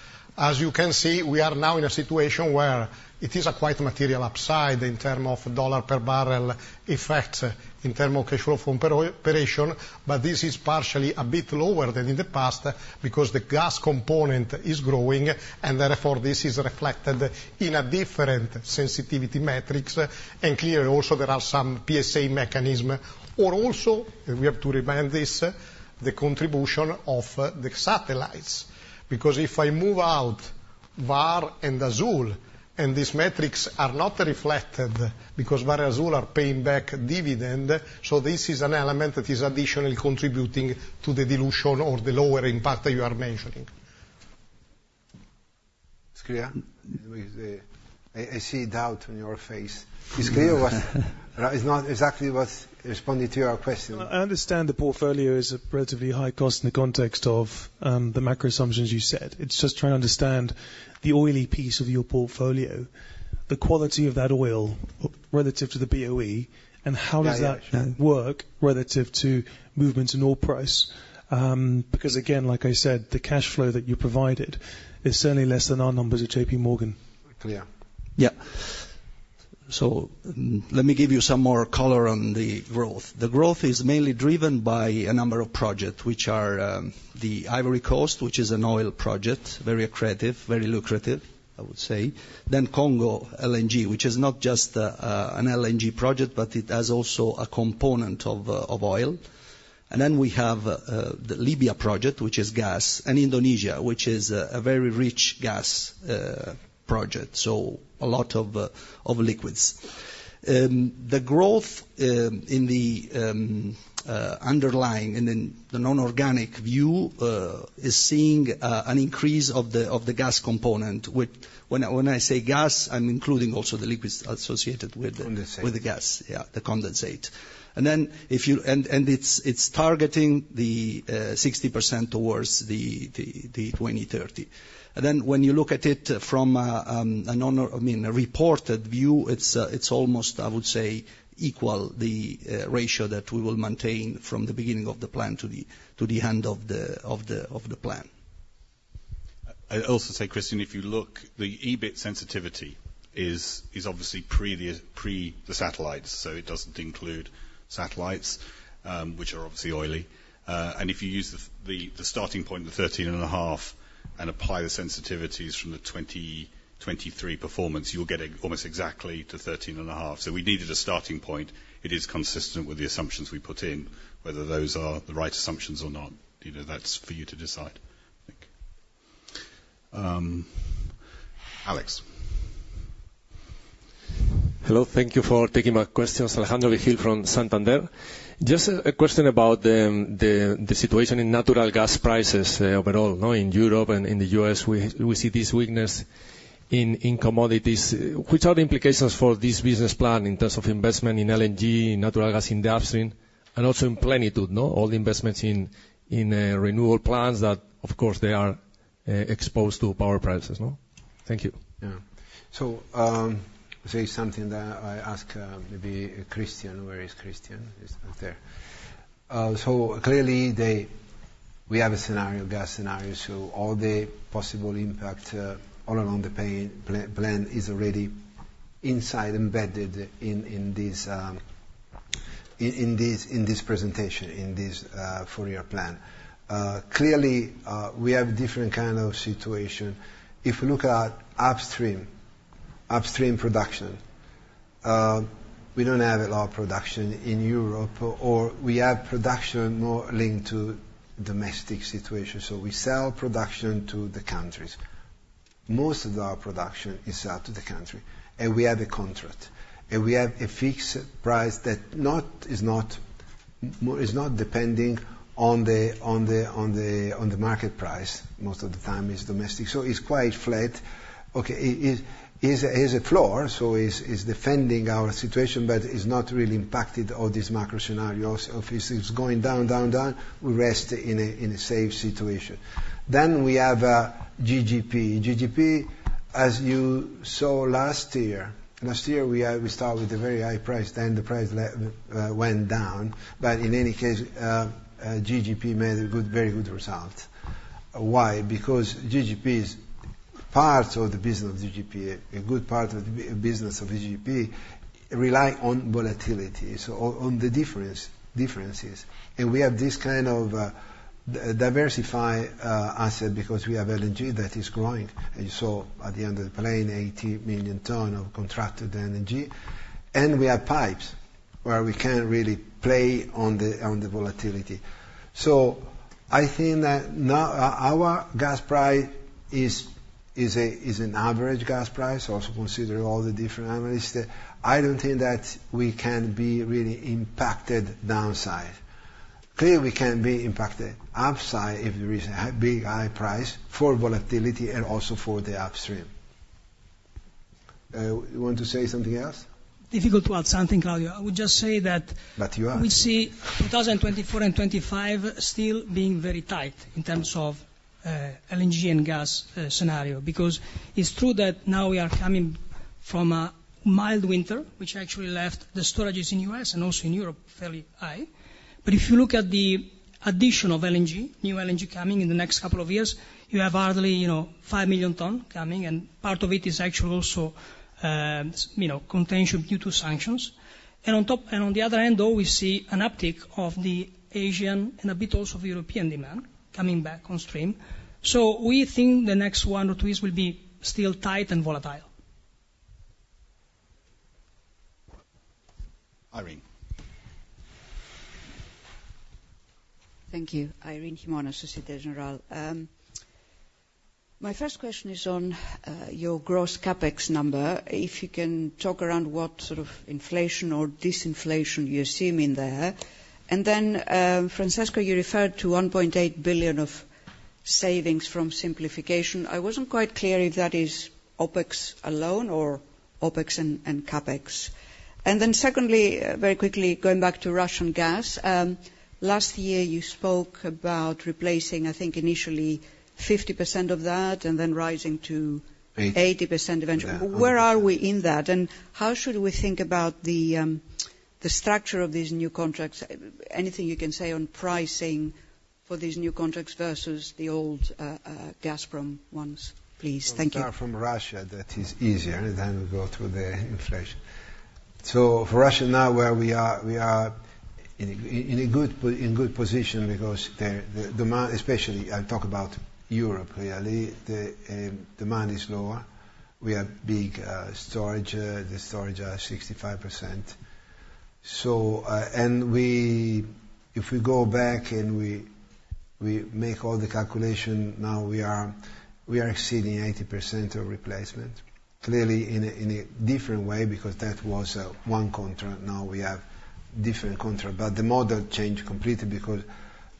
As you can see, we are now in a situation where it is a quite material upside in terms of $ per barrel effects, in terms of cash flow from operation, but this is partially a bit lower than in the past because the gas component is growing and therefore this is reflected in a different sensitivity metrics, and clearly also there are some PSA mechanisms. Or also, we have to remind this, the contribution of the satellites. Because if I move out Vår and Azule, and these metrics are not reflected because Vår and Azule are paying back dividend, so this is an element that is additionally contributing to the dilution or the lower impact that you are mentioning. It's clear? I see doubt on your face. It's clear what it's not exactly what responded to your question. I understand the portfolio is a relatively high cost in the context of the macro assumptions you said. It's just trying to understand the oily piece of your portfolio, the quality of that oil relative to the BOE, and how does that work relative to movements in oil price. Because again, like I said, the cash flow that you provided is certainly less than our numbers at JP Morgan. Clear. Yeah. So let me give you some more color on the growth. The growth is mainly driven by a number of projects, which are the Côte d'Ivoire, which is an oil project, very accretive, very lucrative, I would say. Then Congo LNG, which is not just an LNG project, but it has also a component of oil. And then we have the Libya project, which is gas, and Indonesia, which is a very rich gas project, so a lot of liquids. The growth in the underlying and in the non-organic view is seeing an increase of the gas component, which when I say gas I'm including also the liquids associated with the gas, yeah, the condensate. And then if you and it's targeting the 60% towards the 2030. And then when you look at it from a reported view it's almost, I would say, equal the ratio that we will maintain from the beginning of the plan to the end of the plan. I'd also say, Christian, if you look the EBIT sensitivity is obviously pre the satellites, so it doesn't include satellites, which are obviously oily. And if you use the starting point, the 13.5, and apply the sensitivities from the 2023 performance you'll get almost exactly to 13.5. So we needed a starting point. It is consistent with the assumptions we put in, whether those are the right assumptions or not. That's for you to decide. Alex. Hello, thank you for taking my questions. Alejandro Vigil from Santander. Just a question about the situation in natural gas prices overall, in Europe and in the U.S. we see this weakness in commodities. Which are the implications for this business plan in terms of investment in LNG, natural gas in the upstream, and also in Plenitude, all the investments in renewable plants that, of course, they are exposed to power prices? Thank you. Yeah. So I'll say something that I ask maybe Christian. Where is Christian? He's not there. So clearly we have a scenario, gas scenario, so all the possible impact all along the plan is already inside embedded in this presentation, in this four-year plan. Clearly we have a different kind of situation. If we look at upstream production, we don't have a lot of production in Europe, or we have production more linked to domestic situation, so we sell production to the countries. Most of our production is sold to the country, and we have a contract. And we have a fixed price that is not depending on the market price. Most of the time it's domestic, so it's quite flat. Okay, it has a floor, so it's defending our situation, but it's not really impacted all this macro scenario. If it's going down, down, down we rest in a safe situation. Then we have GGP. GGP, as you saw last year, we started with a very high price, then the price went down, but in any case GGP made a very good result. Why? Because GGP is part of the business of GGP, a good part of the business of GGP rely on volatility, so on the differences. And we have this kind of diversified asset because we have LNG that is growing. And you saw at the end of the plan 80 million tonnes of contracted LNG. And we have pipes where we can't really play on the volatility. So I think that our gas price is an average gas price, also considering all the different analysts. I don't think that we can be really impacted downside. Clearly we can be impacted upside if there is a big, high price for volatility and also for the upstream. You want to say something else? Difficult to add something, Claudio. I would just say that we see 2024 and 2025 still being very tight in terms of LNG and gas scenario. Because it's true that now we are coming from a mild winter, which actually left the storages in the U.S. and also in Europe fairly high. But if you look at the addition of LNG, new LNG coming in the next couple of years you have hardly 5 million tonnes coming, and part of it is actually also contention due to sanctions. And on the other hand though we see an uptick of the Asian and a bit also European demand coming back on stream. So we think the next one or two years will be still tight and volatile. Irene? Thank you. Irene Himona, Société Générale. My first question is on your gross CapEx number. If you can talk around what sort of inflation or disinflation you assume in there. And then, Francesco, you referred to 1.8 billion of savings from simplification. I wasn't quite clear if that is OpEx alone, or OpEx and CapEx. And then secondly, very quickly, going back to Russian gas. Last year you spoke about replacing, I think, initially 50% of that and then rising to 80% eventually. Where are we in that? And how should we think about the structure of these new contracts? Anything you can say on pricing for these new contracts versus the old Gazprom ones, please. Thank you. Apart from Russia that is easier, then we go through the inflation. So for Russia now where we are in a good position because especially I talk about Europe clearly, the demand is lower. We have big storage, the storage are 65%. If we go back and we make all the calculation now we are exceeding 80% of replacement. Clearly in a different way because that was one contract. Now we have different contracts. But the model changed completely because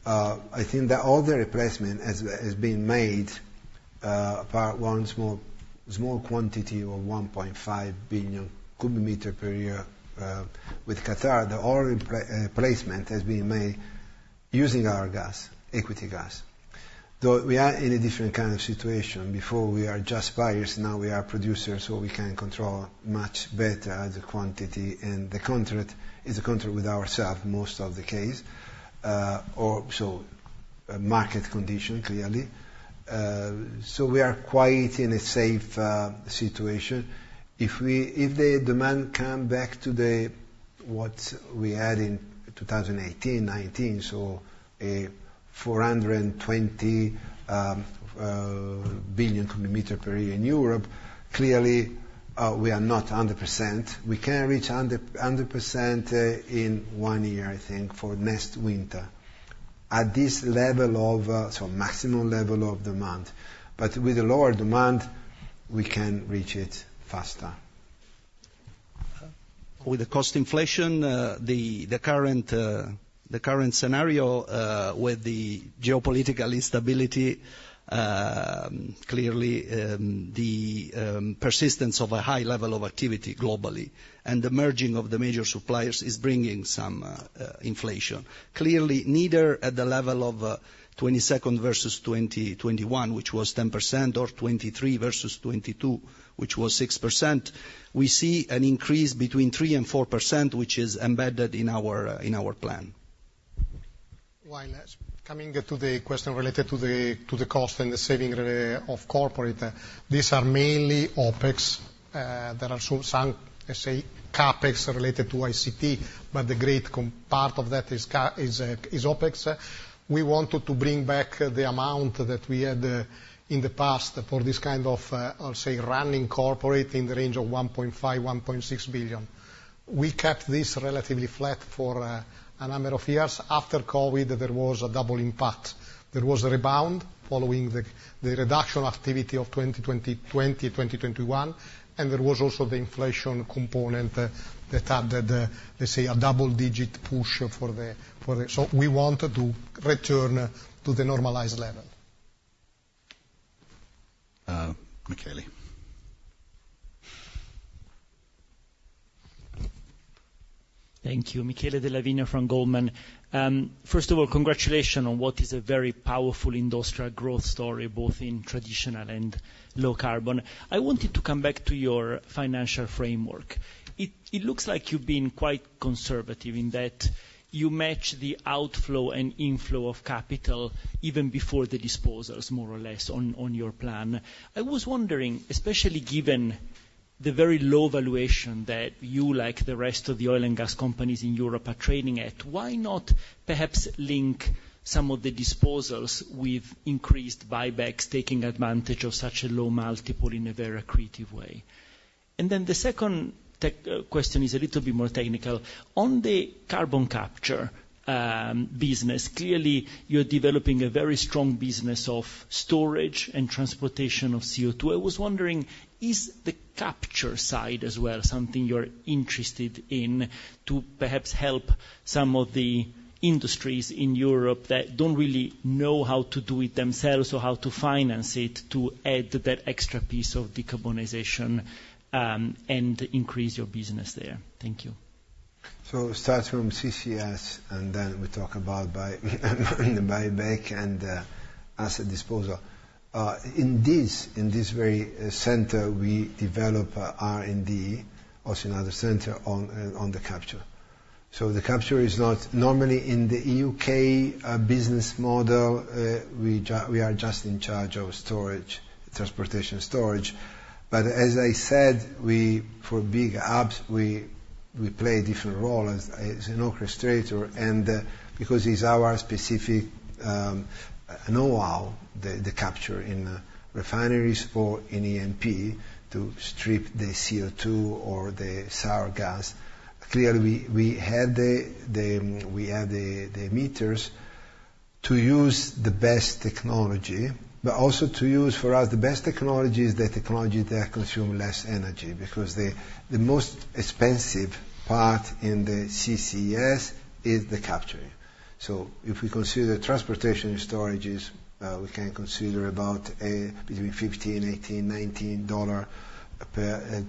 I think that all the replacement has been made, apart one small quantity of 1.5 billion cubic meters per year with Qatar, the whole replacement has been made using our gas, equity gas. Though we are in a different kind of situation. Before we are just buyers, now we are producers so we can control much better the quantity. And the contract is a contract with ourselves most of the case, or so market condition clearly. So we are quite in a safe situation. If the demand comes back to what we had in 2018, 2019, so 420 billion cubic meters per year in Europe, clearly we are not 100%. We can reach 100% in one year, I think, for next winter. At this level of, so maximum level of demand. But with a lower demand we can reach it faster. With the cost inflation, the current scenario with the geopolitical instability, clearly the persistence of a high level of activity globally, and the merging of the major suppliers is bringing some inflation. Clearly neither at the level of 2022 versus 2021, which was 10%, or 2023 versus 2022, which was 6%, we see an increase between 3% and 4% which is embedded in our plan. While coming to the question related to the cost and the savings of corporate, these are mainly OpEx. There are some, let's say, CapEx related to ICT, but the great part of that is OpEx. We wanted to bring back the amount that we had in the past for this kind of, I'll say, running corporate in the range of 1.5 billion-1.6 billion. We kept this relatively flat for a number of years. After COVID there was a double impact. There was a rebound following the reduction of activity of 2020, 2021, and there was also the inflation component that added, let's say, a double-digit push for the so we wanted to return to the normalized level. Michele? Thank you. Michele Della Vigna from Goldman Sachs. First of all, congratulations on what is a very powerful industrial growth story, both in traditional and low carbon. I wanted to come back to your financial framework. It looks like you've been quite conservative in that you match the outflow and inflow of capital even before the disposals, more or less, on your plan. I was wondering, especially given the very low valuation that you, like the rest of the oil and gas companies in Europe, are trading at, why not perhaps link some of the disposals with increased buybacks, taking advantage of such a low multiple in a very accretive way? And then the second question is a little bit more technical. On the carbon capture business, clearly you're developing a very strong business of storage and transportation of CO2. I was wondering, is the capture side as well something you're interested in to perhaps help some of the industries in Europe that don't really know how to do it themselves or how to finance it to add that extra piece of decarbonization and increase your business there? Thank you. So it starts from CCS and then we talk about buyback and asset disposal. In this very center we develop R&D, also another center, on the capture. So the capture is not normally in the UK business model. We are just in charge of storage, transportation, storage. But as I said, for big hubs we play a different role as an orchestrator. Because it's our specific know-how, the capture in refineries or in ENP to strip the CO2 or the sour gas, clearly we have the means to use the best technology, but also to use for us the best technology is the technology that consumes less energy. Because the most expensive part in the CCS is the capturing. So if we consider transportation and storage we can consider about between 50, 18, 19 dollars per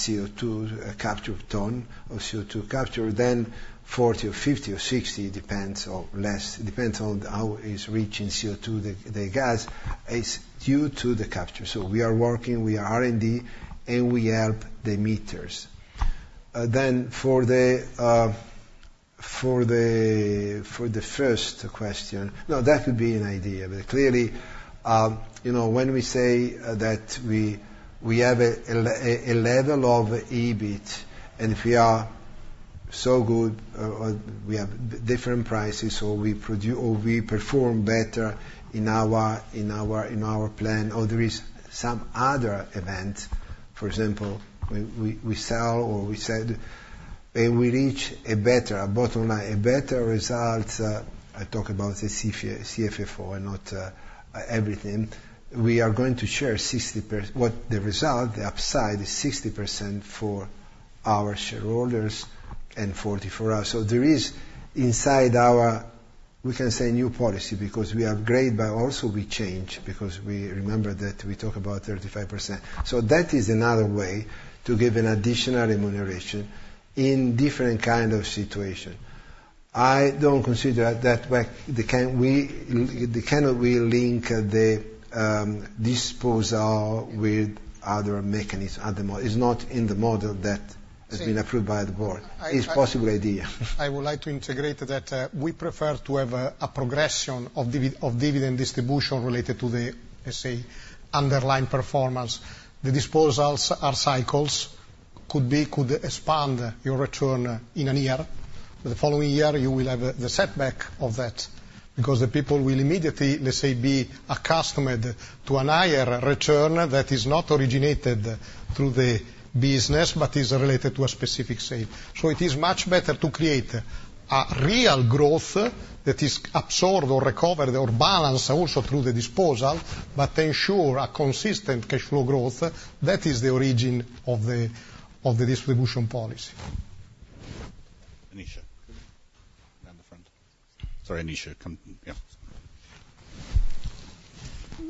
CO2 capture tonne or CO2 capture, then 40, or 50, or 60, depends, or less, depends on how rich in CO2 the gas is, due to the capture. So we are working, we are R&D, and we have the means. For the first question, no, that could be an idea, but clearly when we say that we have a level of EBIT and if we are so good or we have different prices or we perform better in our plan, or there is some other event, for example, we sell or we sell and we reach a better, a bottom line, a better result. I talk about the CFFO and not everything we are going to share 60% what the result, the upside, is 60% for our shareholders and 40% for us. So there is inside our we can say new policy because we upgrade but also we change because we remember that we talk about 35%. So that is another way to give an additional remuneration in different kind of situation. I don't consider that we cannot link the disposal with other mechanisms at the—it's not in the model that has been approved by the board. It's a possible idea. I would like to integrate that we prefer to have a progression of dividend distribution related to the, let's say, underlying performance. The disposals are cycles. Could expand your return in a year. The following year you will have the setback of that because the people will immediately, let's say, be accustomed to a higher return that is not originated through the business but is related to a specific sale. So it is much better to create a real growth that is absorbed or recovered or balanced also through the disposal but ensure a consistent cash flow growth. That is the origin of the distribution policy. Anisha? Down the front. Sorry, Anisha. Come yeah.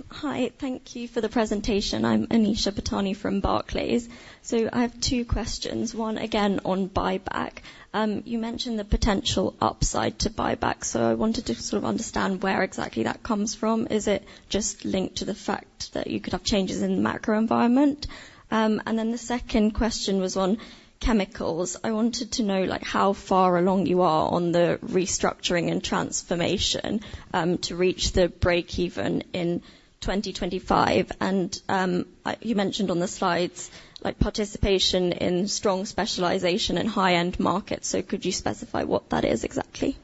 Hi. Thank you for the presentation. I'm Anisha Patani from Barclays. So I have two questions. One, again, on buyback. You mentioned the potential upside to buyback, so I wanted to sort of understand where exactly that comes from. Is it just linked to the fact that you could have changes in the macro environment? And then the second question was on chemicals. I wanted to know how far along you are on the restructuring and transformation to reach the break-even in 2025. And you mentioned on the slides participation in strong specialization in high-end markets, so could you specify what that is exactly?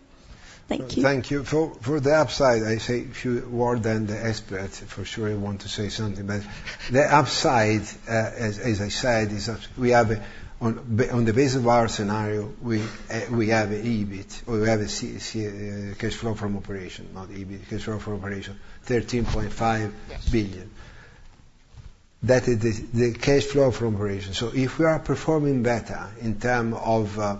Thank you. Thank you. For the upside, I say if you were then the expert for sure you want to say something. But the upside, as I said, is we have on the basis of our scenario we have EBIT or we have cash flow from operation, not EBIT, cash flow from operation, 13.5 billion. That is the cash flow from operation. So if we are performing better in terms of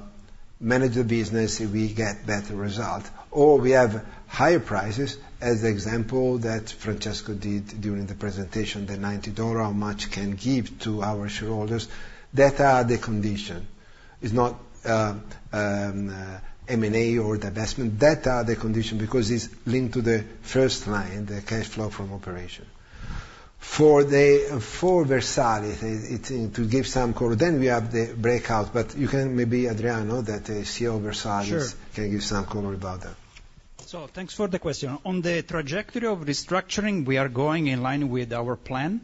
manage the business we get better results. Or we have higher prices, as the example that Francesco did during the presentation, the $90, how much can give to our shareholders. That are the conditions. It's not M&A or divestment. That are the conditions because it's linked to the first line, the cash flow from operation. For Versalis, it's to give some cover then we have the breakout. But you can maybe, Adriano, the CEO Versalis can give some cover about that. Sure. So thanks for the question. On the trajectory of restructuring, we are going in line with our plan.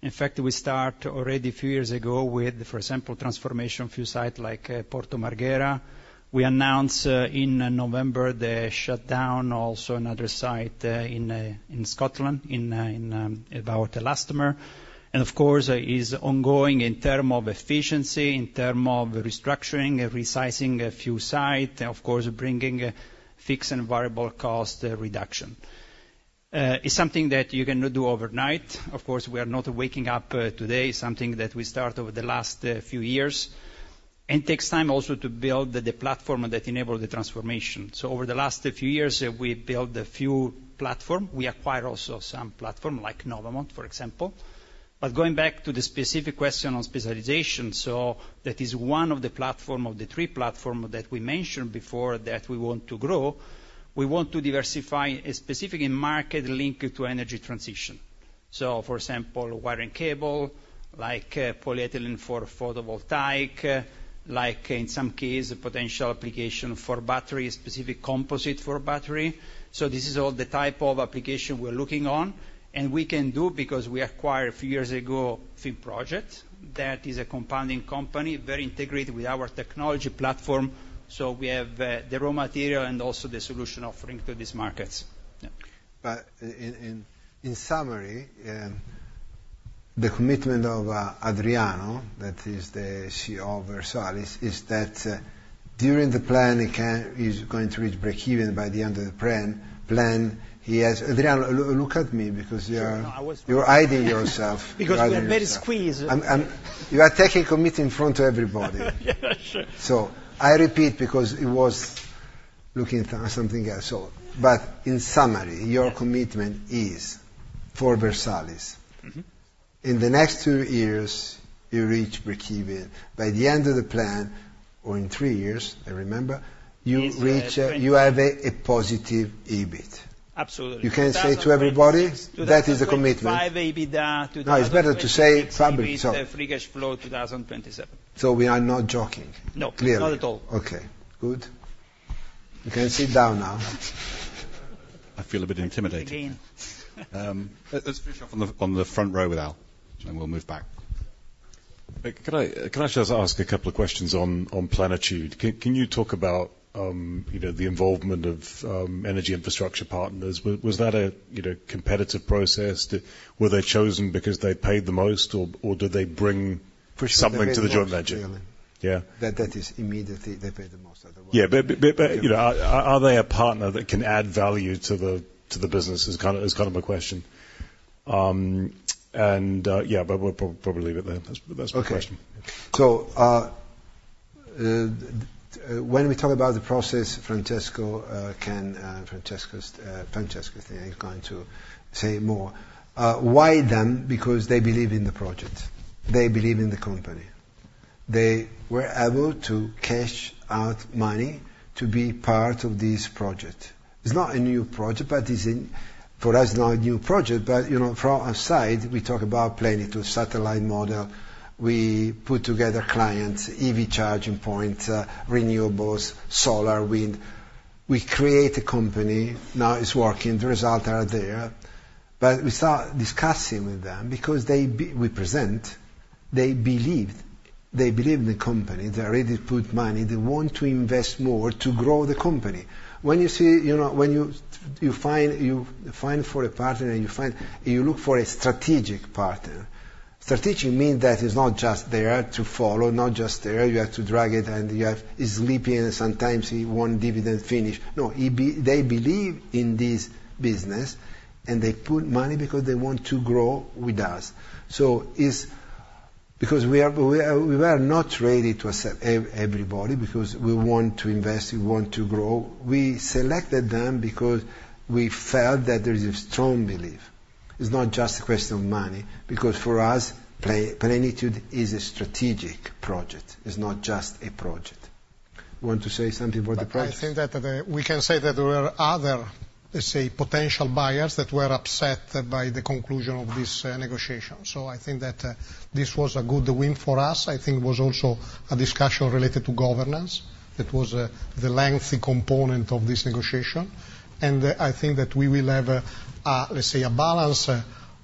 In fact, we start already a few years ago with, for example, transformation fuel site like Porto Marghera. We announced in November the shutdown also another site in Scotland, about Elastomer. Of course it's ongoing in terms of efficiency, in terms of restructuring and resizing a fuel site, of course bringing fixed and variable cost reduction. It's something that you cannot do overnight. Of course we are not waking up today. It's something that we start over the last few years. It takes time also to build the platform that enables the transformation. So over the last few years we built a few platforms. We acquired also some platforms like Novamont, for example. But going back to the specific question on specialization, so that is one of the platforms of the three platforms that we mentioned before that we want to grow. We want to diversify specifically in markets linked to energy transition. So for example, wire and cable, like polyethylene for photovoltaic, like in some cases potential application for battery, specific composite for battery. So this is all the type of application we're looking on. And we can do because we acquired a few years ago Finproject, that is a compounding company, very integrated with our technology platform. So we have the raw material and also the solution offering to these markets. Yeah. But in summary, the commitment of Adriano, that is the CEO of Versalis, is that during the plan he's going to reach break-even by the end of the plan. He has Adriano, look at me because you're hiding yourself. Because we are very squeezed. You are taking commitment in front of everybody. So I repeat because it was looking at something else. But in summary, your commitment is for Versalis. In the next two years you reach break-even. By the end of the plan, or in three years, I remember, you have a positive EBIT. You can say to everybody that is the commitment. No, it's better to say public. Free cash flow 27. So we are not joking. Clearly. No, not at all. Okay. Good. You can sit down now. I feel a bit intimidated. Let's finish off on the front row with Al and we'll move back. Can I just ask a couple of questions on Plenitude? Can you talk about the involvement of Energy Infrastructure Partners? Was that a competitive process? Were they chosen because they paid the most or did they bring something to the joint venture? That is immediately they paid the most. Otherwise. Yeah. But are they a partner that can add value to the business is kind of my question. And yeah, but we'll probably leave it there. That's my question. Okay. So when we talk about the process, Francesco is going to say more. Why them? Because they believe in the project. They believe in the company. They were able to cash out money to be part of this project. It's not a new project, but it's for us not a new project. But from our side we talk about Plenitude satellite model. We put together clients, EV charging points, renewables, solar, wind. We create a company. Now it's working. The results are there. But we start discussing with them because we present. They believed in the company. They already put money. They want to invest more to grow the company. When you find for a partner and you look for a strategic partner strategic means that it's not just there to follow, not just there. You have to drag it and you have it's sleepy and sometimes one dividend finish. No, they believe in this business and they put money because they want to grow with us. So because we were not ready to accept everybody because we want to invest, we want to grow, we selected them because we felt that there is a strong belief. It's not just a question of money. Because for us Plenitude is a strategic project. It's not just a project. Want to say something about the project? I think that we can say that there were other, let's say, potential buyers that were upset by the conclusion of this negotiation. So I think that this was a good win for us. I think it was also a discussion related to governance that was the lengthy component of this negotiation. I think that we will have, let's say, a balance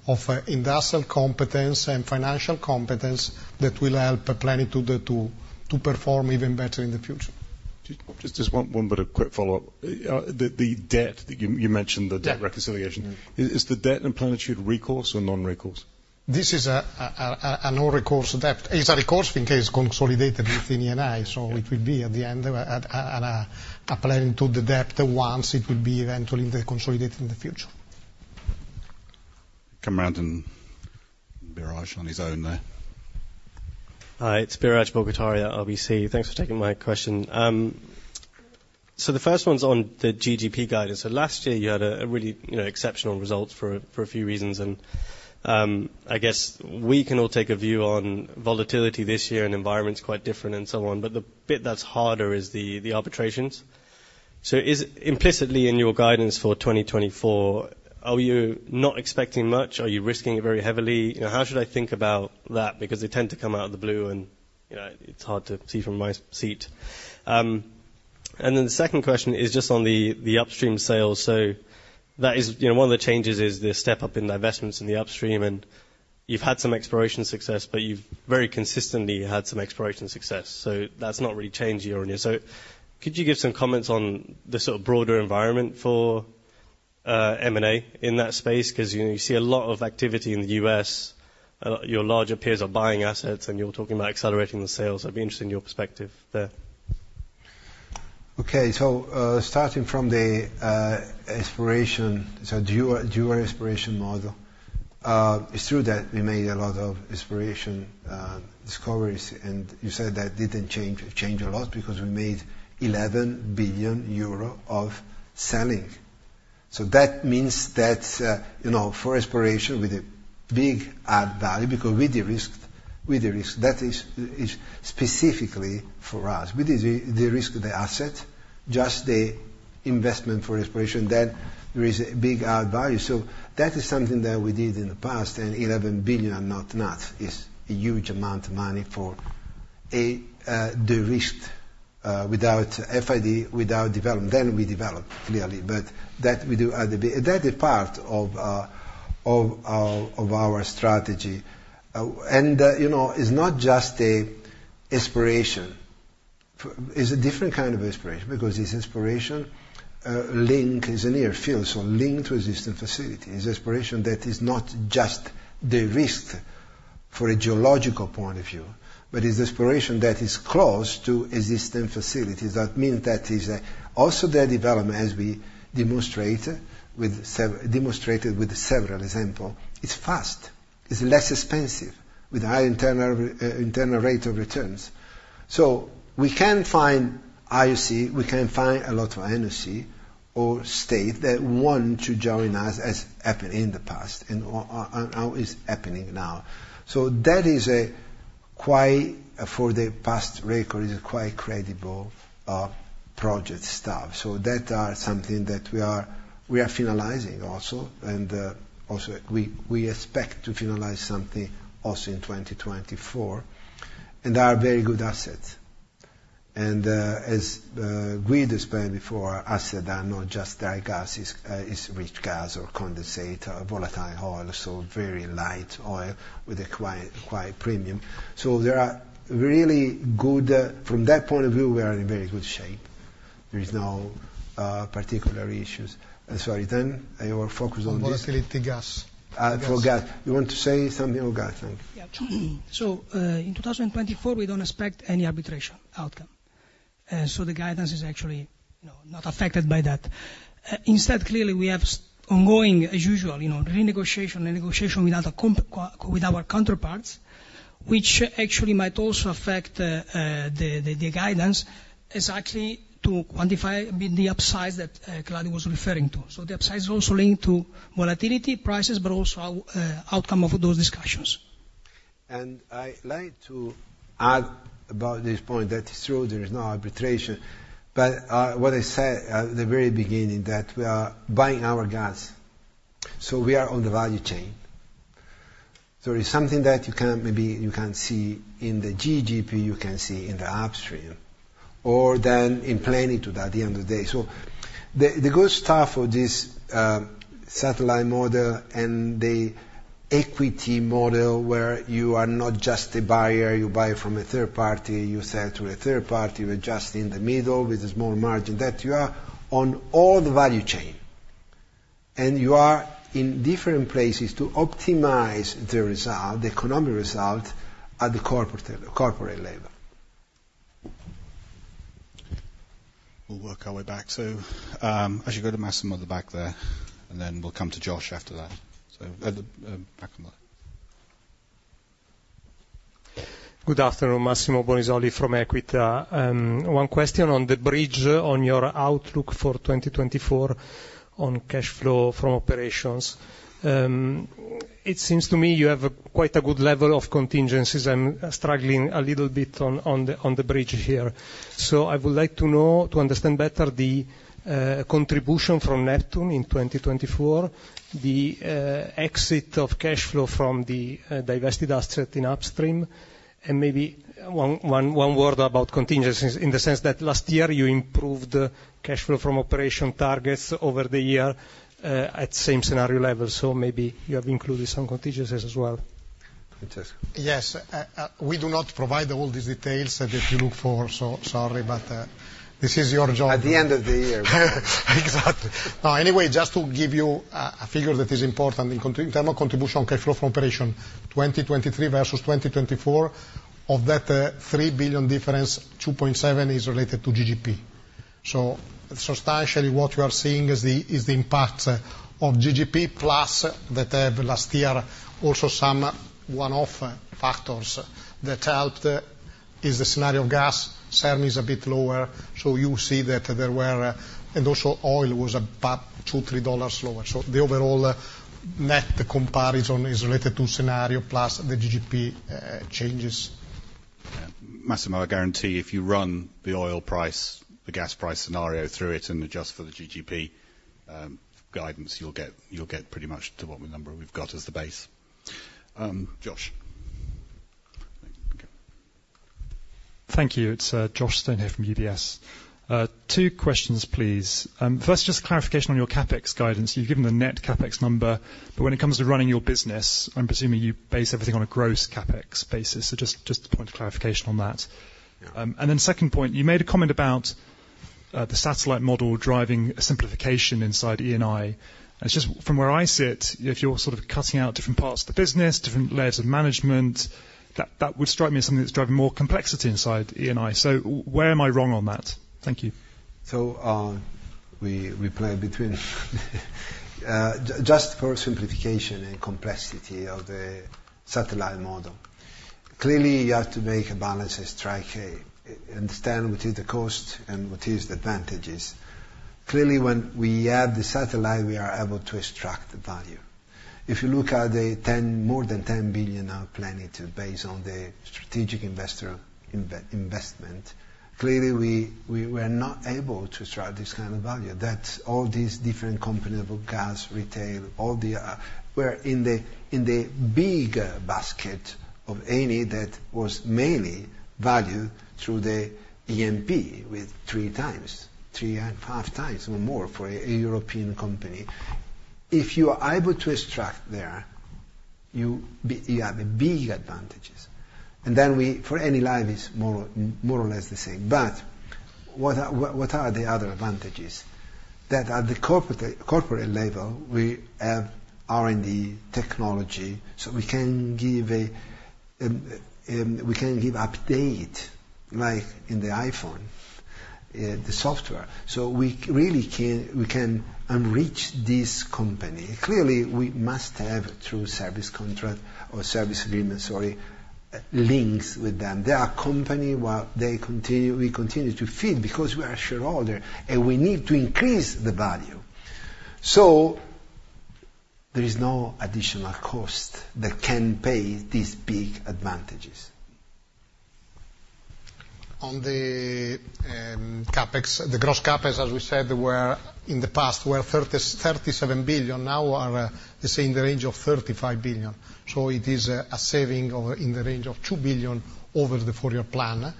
of industrial competence and financial competence that will help Plenitude to perform even better in the future. Just one bit of quick follow-up. The debt that you mentioned, the debt reconciliation, is the debt in Plenitude recourse or non-recourse? This is a non-recourse debt. It's a recourse in case consolidated with Eni. So it will be at the end of a Plenitude debt once it will be eventually consolidated in the future. Come around and Biraj on his own there. Hi. It's Biraj Borkhataria at RBC. Thanks for taking my question. So the first one's on the GDP guidance. So last year you had a really exceptional result for a few reasons. And I guess we can all take a view on volatility this year and environment's quite different and so on. But the bit that's harder is the arbitrations. So implicitly in your guidance for 2024, are you not expecting much? Are you risking it very heavily? How should I think about that? Because they tend to come out of the blue and it's hard to see from my seat. And then the second question is just on the upstream sales. So one of the changes is the step up in divestments in the upstream. And you've had some exploration success, but you've very consistently had some exploration success. So that's not really changed year on year. So could you give some comments on the sort of broader environment for M&A in that space? Because you see a lot of activity in the US. Your larger peers are buying assets and you're talking about accelerating the sales. I'd be interested in your perspective there. Okay. So starting from the exploration, so dual exploration model, it's true that we made a lot of exploration discoveries. And you said that didn't change a lot because we made 11 billion euro from selling. So that means that for exploration with a big added value because we de-risked. That is specifically for us. We de-risked the asset, just the investment for exploration. Then there is a big added value. So that is something that we did in the past. And 11 billion is not nothing is a huge amount of money for a de-risked without FID, without development. Then we developed, clearly. But that we do add a bit that is part of our strategy. And it's not just an aspiration. It's a different kind of aspiration because this aspiration link is a near-field. So linked to existing facilities. It's aspiration that is not just de-risked from a geological point of view, but it's aspiration that is close to existing facilities. That means that is also the development, as we demonstrated with several examples, it's fast. It's less expensive with a higher internal rate of returns. So we can find IOC, we can find a lot of NOC or state that want to join us as happened in the past and now is happening now. So that is quite, for the past record, it's quite credible project stuff. So that are something that we are finalizing also. And also we expect to finalize something also in 2024. They are very good assets. As Guido explained before, assets are not just dry gas. It's rich gas or condensate, volatile oil, so very light oil with a quite premium. So there are really good from that point of view, we are in very good shape. There are no particular issues. Sorry, then your focus on this? Volatility gas. For gas. You want to say something? Oh, gosh. Thank you. Yeah. So in 2024 we don't expect any arbitration outcome. So the guidance is actually not affected by that. Instead, clearly we have ongoing, as usual, renegotiation, renegotiation with our counterparts, which actually might also affect the guidance exactly to quantify a bit the upside that Claudio was referring to. So the upside is also linked to volatility, prices, but also outcome of those discussions. I like to add about this point that it's true there is no arbitration. But what I said at the very beginning, that we are buying our gas. So we are on the value chain. So it's something that you can't maybe see in the GGP; you can see in the upstream. Or then in Plenitude at the end of the day. So the good stuff of this satellite model and the equity model where you are not just a buyer, you buy from a third party, you sell to a third party, you adjust in the middle with a small margin, that you are on all the value chain. And you are in different places to optimize the result, the economic result at the corporate level. We'll work our way back. So I should go to Massimo at the back there. And then we'll come to Josh after that. So back on the back. Good afternoon, Massimo Bonisoli from Equita. One question on the bridge, on your outlook for 2024 on cash flow from operations. It seems to me you have quite a good level of contingencies. I'm struggling a little bit on the bridge here. So I would like to know, to understand better the contribution from Neptune in 2024, the exit of cash flow from the divested asset in upstream. And maybe one word about contingencies in the sense that last year you improved cash flow from operation targets over the year at same scenario level. So maybe you have included some contingencies as well. Francesco. Yes. We do not provide all these details that you look for, sorry. But this is your job. At the end of the year. Exactly. No, anyway, just to give you a figure that is important in terms of contribution cash flow from operation 2023 versus 2024, of that $3 billion difference, $2.7 billion is related to GGP. So substantially what you are seeing is the impact of GGP plus that have last year also some one-off factors that helped is the scenario of gas. CERM is a bit lower. So you see that there were and also oil was about $2-$3 lower. So the overall net comparison is related to scenario plus the GGP changes. Massimo, I guarantee if you run the oil price, the gas price scenario through it and adjust for the GGP guidance, you'll get pretty much to what number we've got as the base. Josh. Thank you. It's Josh Stone here from UBS. Two questions, please. First, just clarification on your CapEx guidance. You've given the net CapEx number. But when it comes to running your business, I'm presuming you base everything on a gross CapEx basis. So just a point of clarification on that. And then second point, you made a comment about the satellite model driving a simplification inside Eni. And it's just from where I sit, if you're sort of cutting out different parts of the business, different layers of management, that would strike me as something that's driving more complexity inside Eni. So where am I wrong on that? Thank you. So we play between. Just for simplification and complexity of the satellite model. Clearly, you have to make a balance and strike, understand what is the cost and what is the advantages. Clearly, when we add the satellite, we are able to extract the value. If you look at the more than 10 billion now Plenitude based on the strategic investor investment, clearly we are not able to extract this kind of value. That's all these different companies of gas, retail, all the we're in the big basket of Eni that was mainly valued through the EV multiple with 3x, 3x-5x or more for a European company. If you are able to extract there, you have big advantages. Then for Enilive, it's more or less the same. But what are the other advantages? That at the corporate level, we have R&D technology. So we can give update like in the iPhone, the software. So we really can enrich this company. Clearly, we must have through service contract or service agreement, sorry, links with them. They are a company while we continue to feed because we are shareholder and we need to increase the value. So there is no additional cost that can pay these big advantages. On the gross CapEx, as we said, in the past were 37 billion. Now we are, let's say, in the range of 35 billion. So it is a saving in the range of 2 billion over the four-year plan.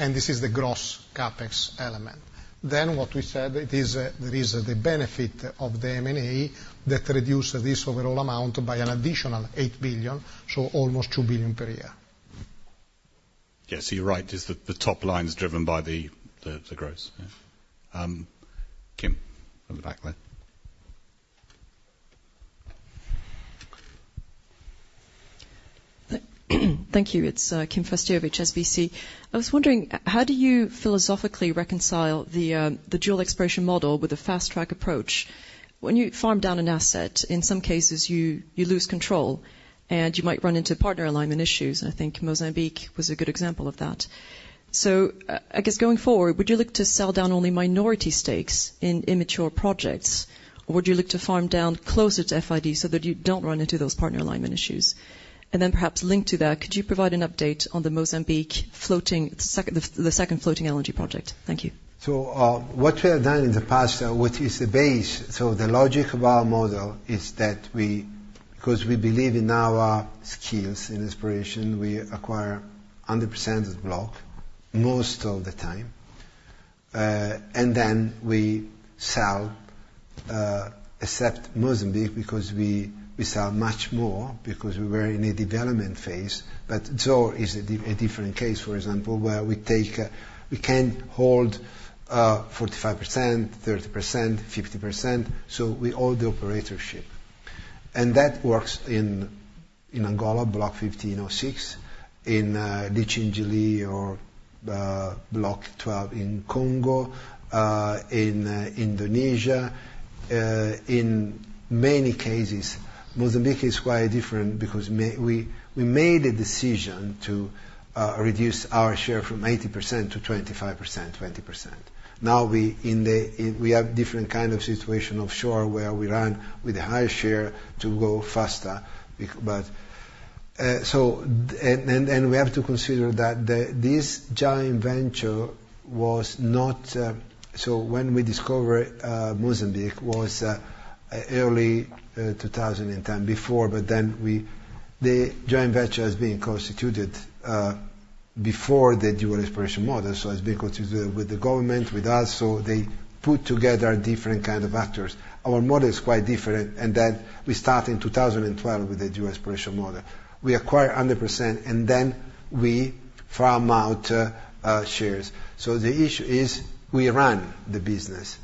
And this is the gross CapEx element. Then what we said, there is the benefit of the M&A that reduces this overall amount by an additional 8 billion. So almost 2 billion per year. Yes. So you're right. The top line is driven by the gross. Kim, from the back there. Thank you. It's Kim Fustier, HSBC. I was wondering, how do you philosophically reconcile the dual exploration model with a fast-track approach? When you farm down an asset, in some cases you lose control. And you might run into partner alignment issues. And I think Mozambique was a good example of that. So I guess going forward, would you look to sell down only minority stakes in immature projects? Or would you look to farm down closer to FID so that you don't run into those partner alignment issues? And then perhaps linked to that, could you provide an update on the Mozambique floating, the second floating energy project? Thank you. So what we have done in the past, what is the base, so the logic of our model is that we, because we believe in our skills in exploration, we acquire 100% of the block most of the time. And then we sell, except Mozambique, because we sell much more because we were in a development phase. But Zohr is a different case, for example, where we can hold 45%, 30%, 50%. So we hold the operatorship. And that works in Angola, Block 15/06. In Litchendjili or Block 12 in Congo. In Indonesia. In many cases, Mozambique is quite different because we made a decision to reduce our share from 80% to 25%, 20%. Now we have different kind of situation offshore where we run with a higher share to go faster. And then we have to consider that this joint venture was not so when we discovered Mozambique was early 2010, before. But then the joint venture has been constituted before the dual exploration model. So it's been constituted with the government, with us. So they put together different kind of actors. Our model is quite different. Then we start in 2012 with the dual exploration model. We acquire 100% and then we farm out shares. So the issue is we run the business.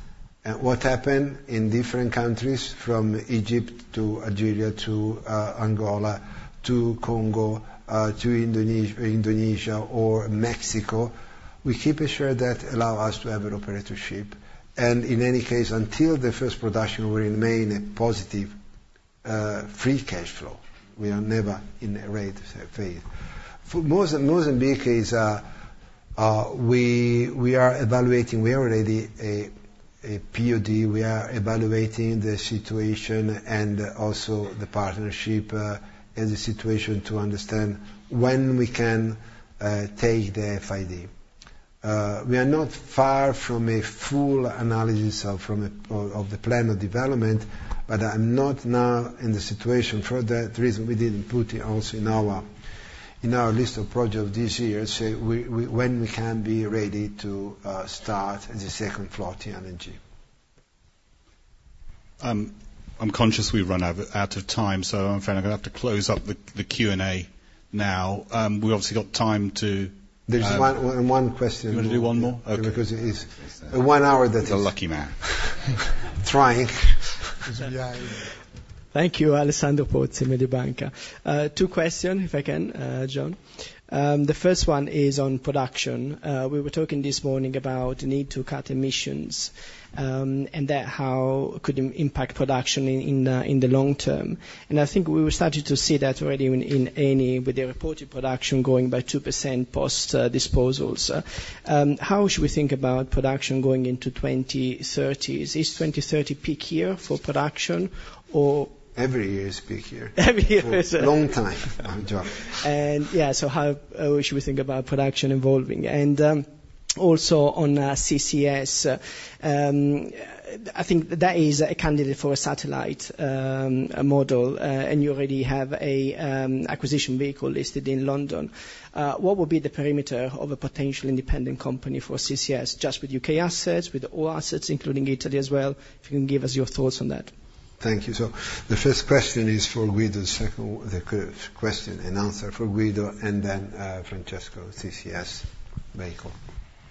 And what happened in different countries, from Egypt to Algeria to Angola to Congo to Indonesia or Mexico, we keep a share that allows us to have an operatorship. And in any case, until the first production, we remain a positive free cash flow. We are never in a red phase. For Mozambique, we are evaluating, we are already a POD. We are evaluating the situation and also the partnership and the situation to understand when we can take the FID. We are not far from a full analysis of the plan of development. But I'm not now in the situation. For that reason, we didn't put also in our list of projects this year when we can be ready to start the second floating energy. I'm conscious we've run out of time. So, Frank, I'm going to have to close up the Q&A now. We obviously got time to. There's one question. You want to do one more? Okay. Because it is one hour that is. The lucky man. Thank you, Alessandro Pozzi, Mediobanca. Two questions, if I can, John. The first one is on production. We were talking this morning about the need to cut emissions and how it could impact production in the long term. And I think we started to see that already in Eni with the reported production going by 2% post-disposals. How should we think about production going into 2030s? Is 2030 peak year for production or? Every year is peak year. Every year. For a long time, John. And yeah, so how should we think about production evolving? And also on CCS. I think that is a candidate for a satellite model. And you already have an acquisition vehicle listed in London. What would be the perimeter of a potential independent company for CCS, just with UK assets, with all assets, including Italy as well? If you can give us your thoughts on that. Thank you. So the first question is for Guido. The question and answer for Guido and then Francesco, CCS vehicle.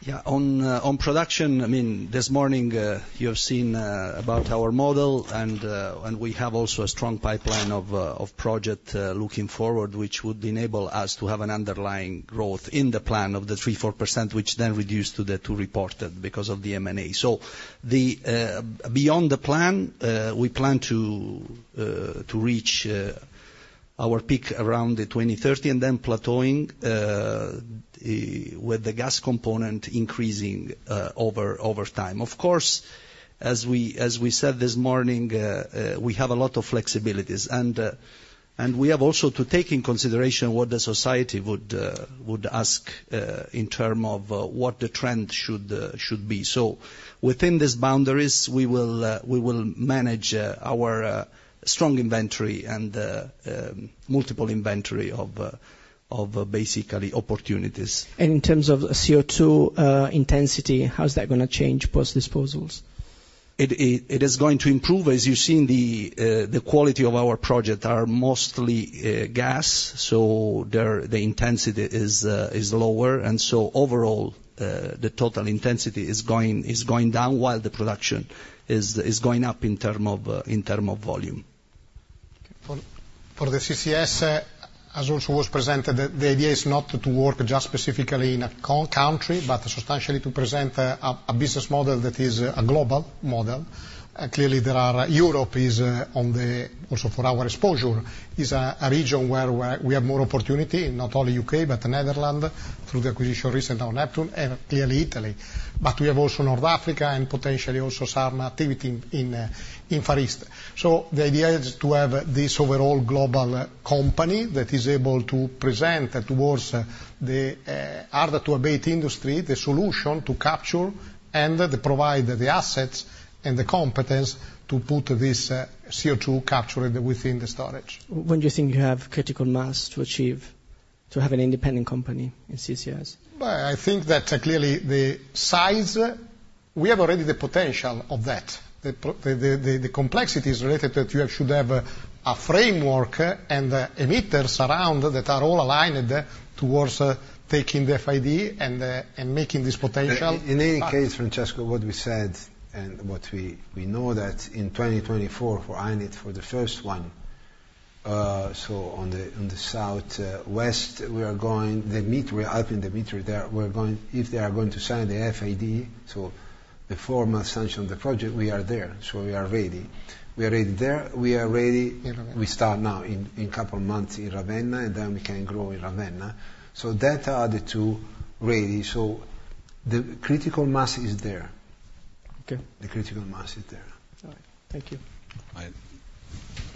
Yeah. On production, I mean, this morning you have seen about our model. And we have also a strong pipeline of projects looking forward, which would enable us to have an underlying growth in the plan of 3%-4%, which then reduced to the 2% reported because of the M&A. So beyond the plan, we plan to reach our peak around 2030 and then plateauing with the gas component increasing over time. Of course, as we said this morning, we have a lot of flexibilities. And we have also to take into consideration what the society would ask in terms of what the trend should be. So within these boundaries, we will manage our strong inventory and multiple inventory of basically opportunities. And in terms of CO2 intensity, how is that going to change post-disposals? It is going to improve. As you've seen, the quality of our projects are mostly gas. So the intensity is lower. And so overall, the total intensity is going down while the production is going up in terms of volume. For the CCS, as also was presented, the idea is not to work just specifically in a country, but substantially to present a business model that is a global model. Clearly, Europe is also for our exposure, is a region where we have more opportunity, not only U.K., but the Netherlands through the acquisition recently on Neptune and clearly Italy. But we have also North Africa and potentially also storage activity in Far East. So the idea is to have this overall global company that is able to present towards the harder-to-abate industry, the solution to capture and provide the assets and the competence to put this CO2 captured within the storage. When do you think you have critical mass to achieve to have an independent company in CCS? I think that clearly the size we have already the potential of that. The complexity is related that you should have a framework and emitters around that are all aligned towards taking the FID and making this potential. In any case, Francesco, what we said and what we know that in 2024 for Hyne, for the first one, so on the southwest, we are going the MITRE, Alpine Dimitri there, we are going if they are going to sign the FID, so the formal signature on the project, we are there. So we are ready. We are ready there. We are ready. We start now in a couple of months in Ravenna. Then we can grow in Ravenna. So that are the two ready. So the critical mass is there. The critical mass is there. All right. Thank you. I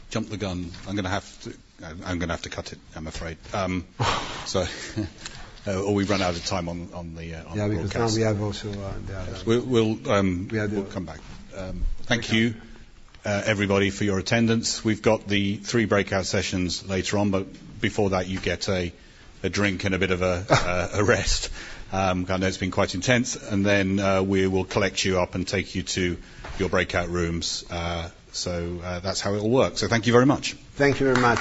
jumped the gun. I'm going to have to cut it, I'm afraid. So, we're running out of time on the call. Yeah, because now we have also the other. We'll come back. Thank you, everybody, for your attendance. We've got the three breakout sessions later on. But before that, you get a drink and a bit of a rest. I know it's been quite intense. And then we will collect you up and take you to your breakout rooms. So that's how it will work. So thank you very much. Thank you very much.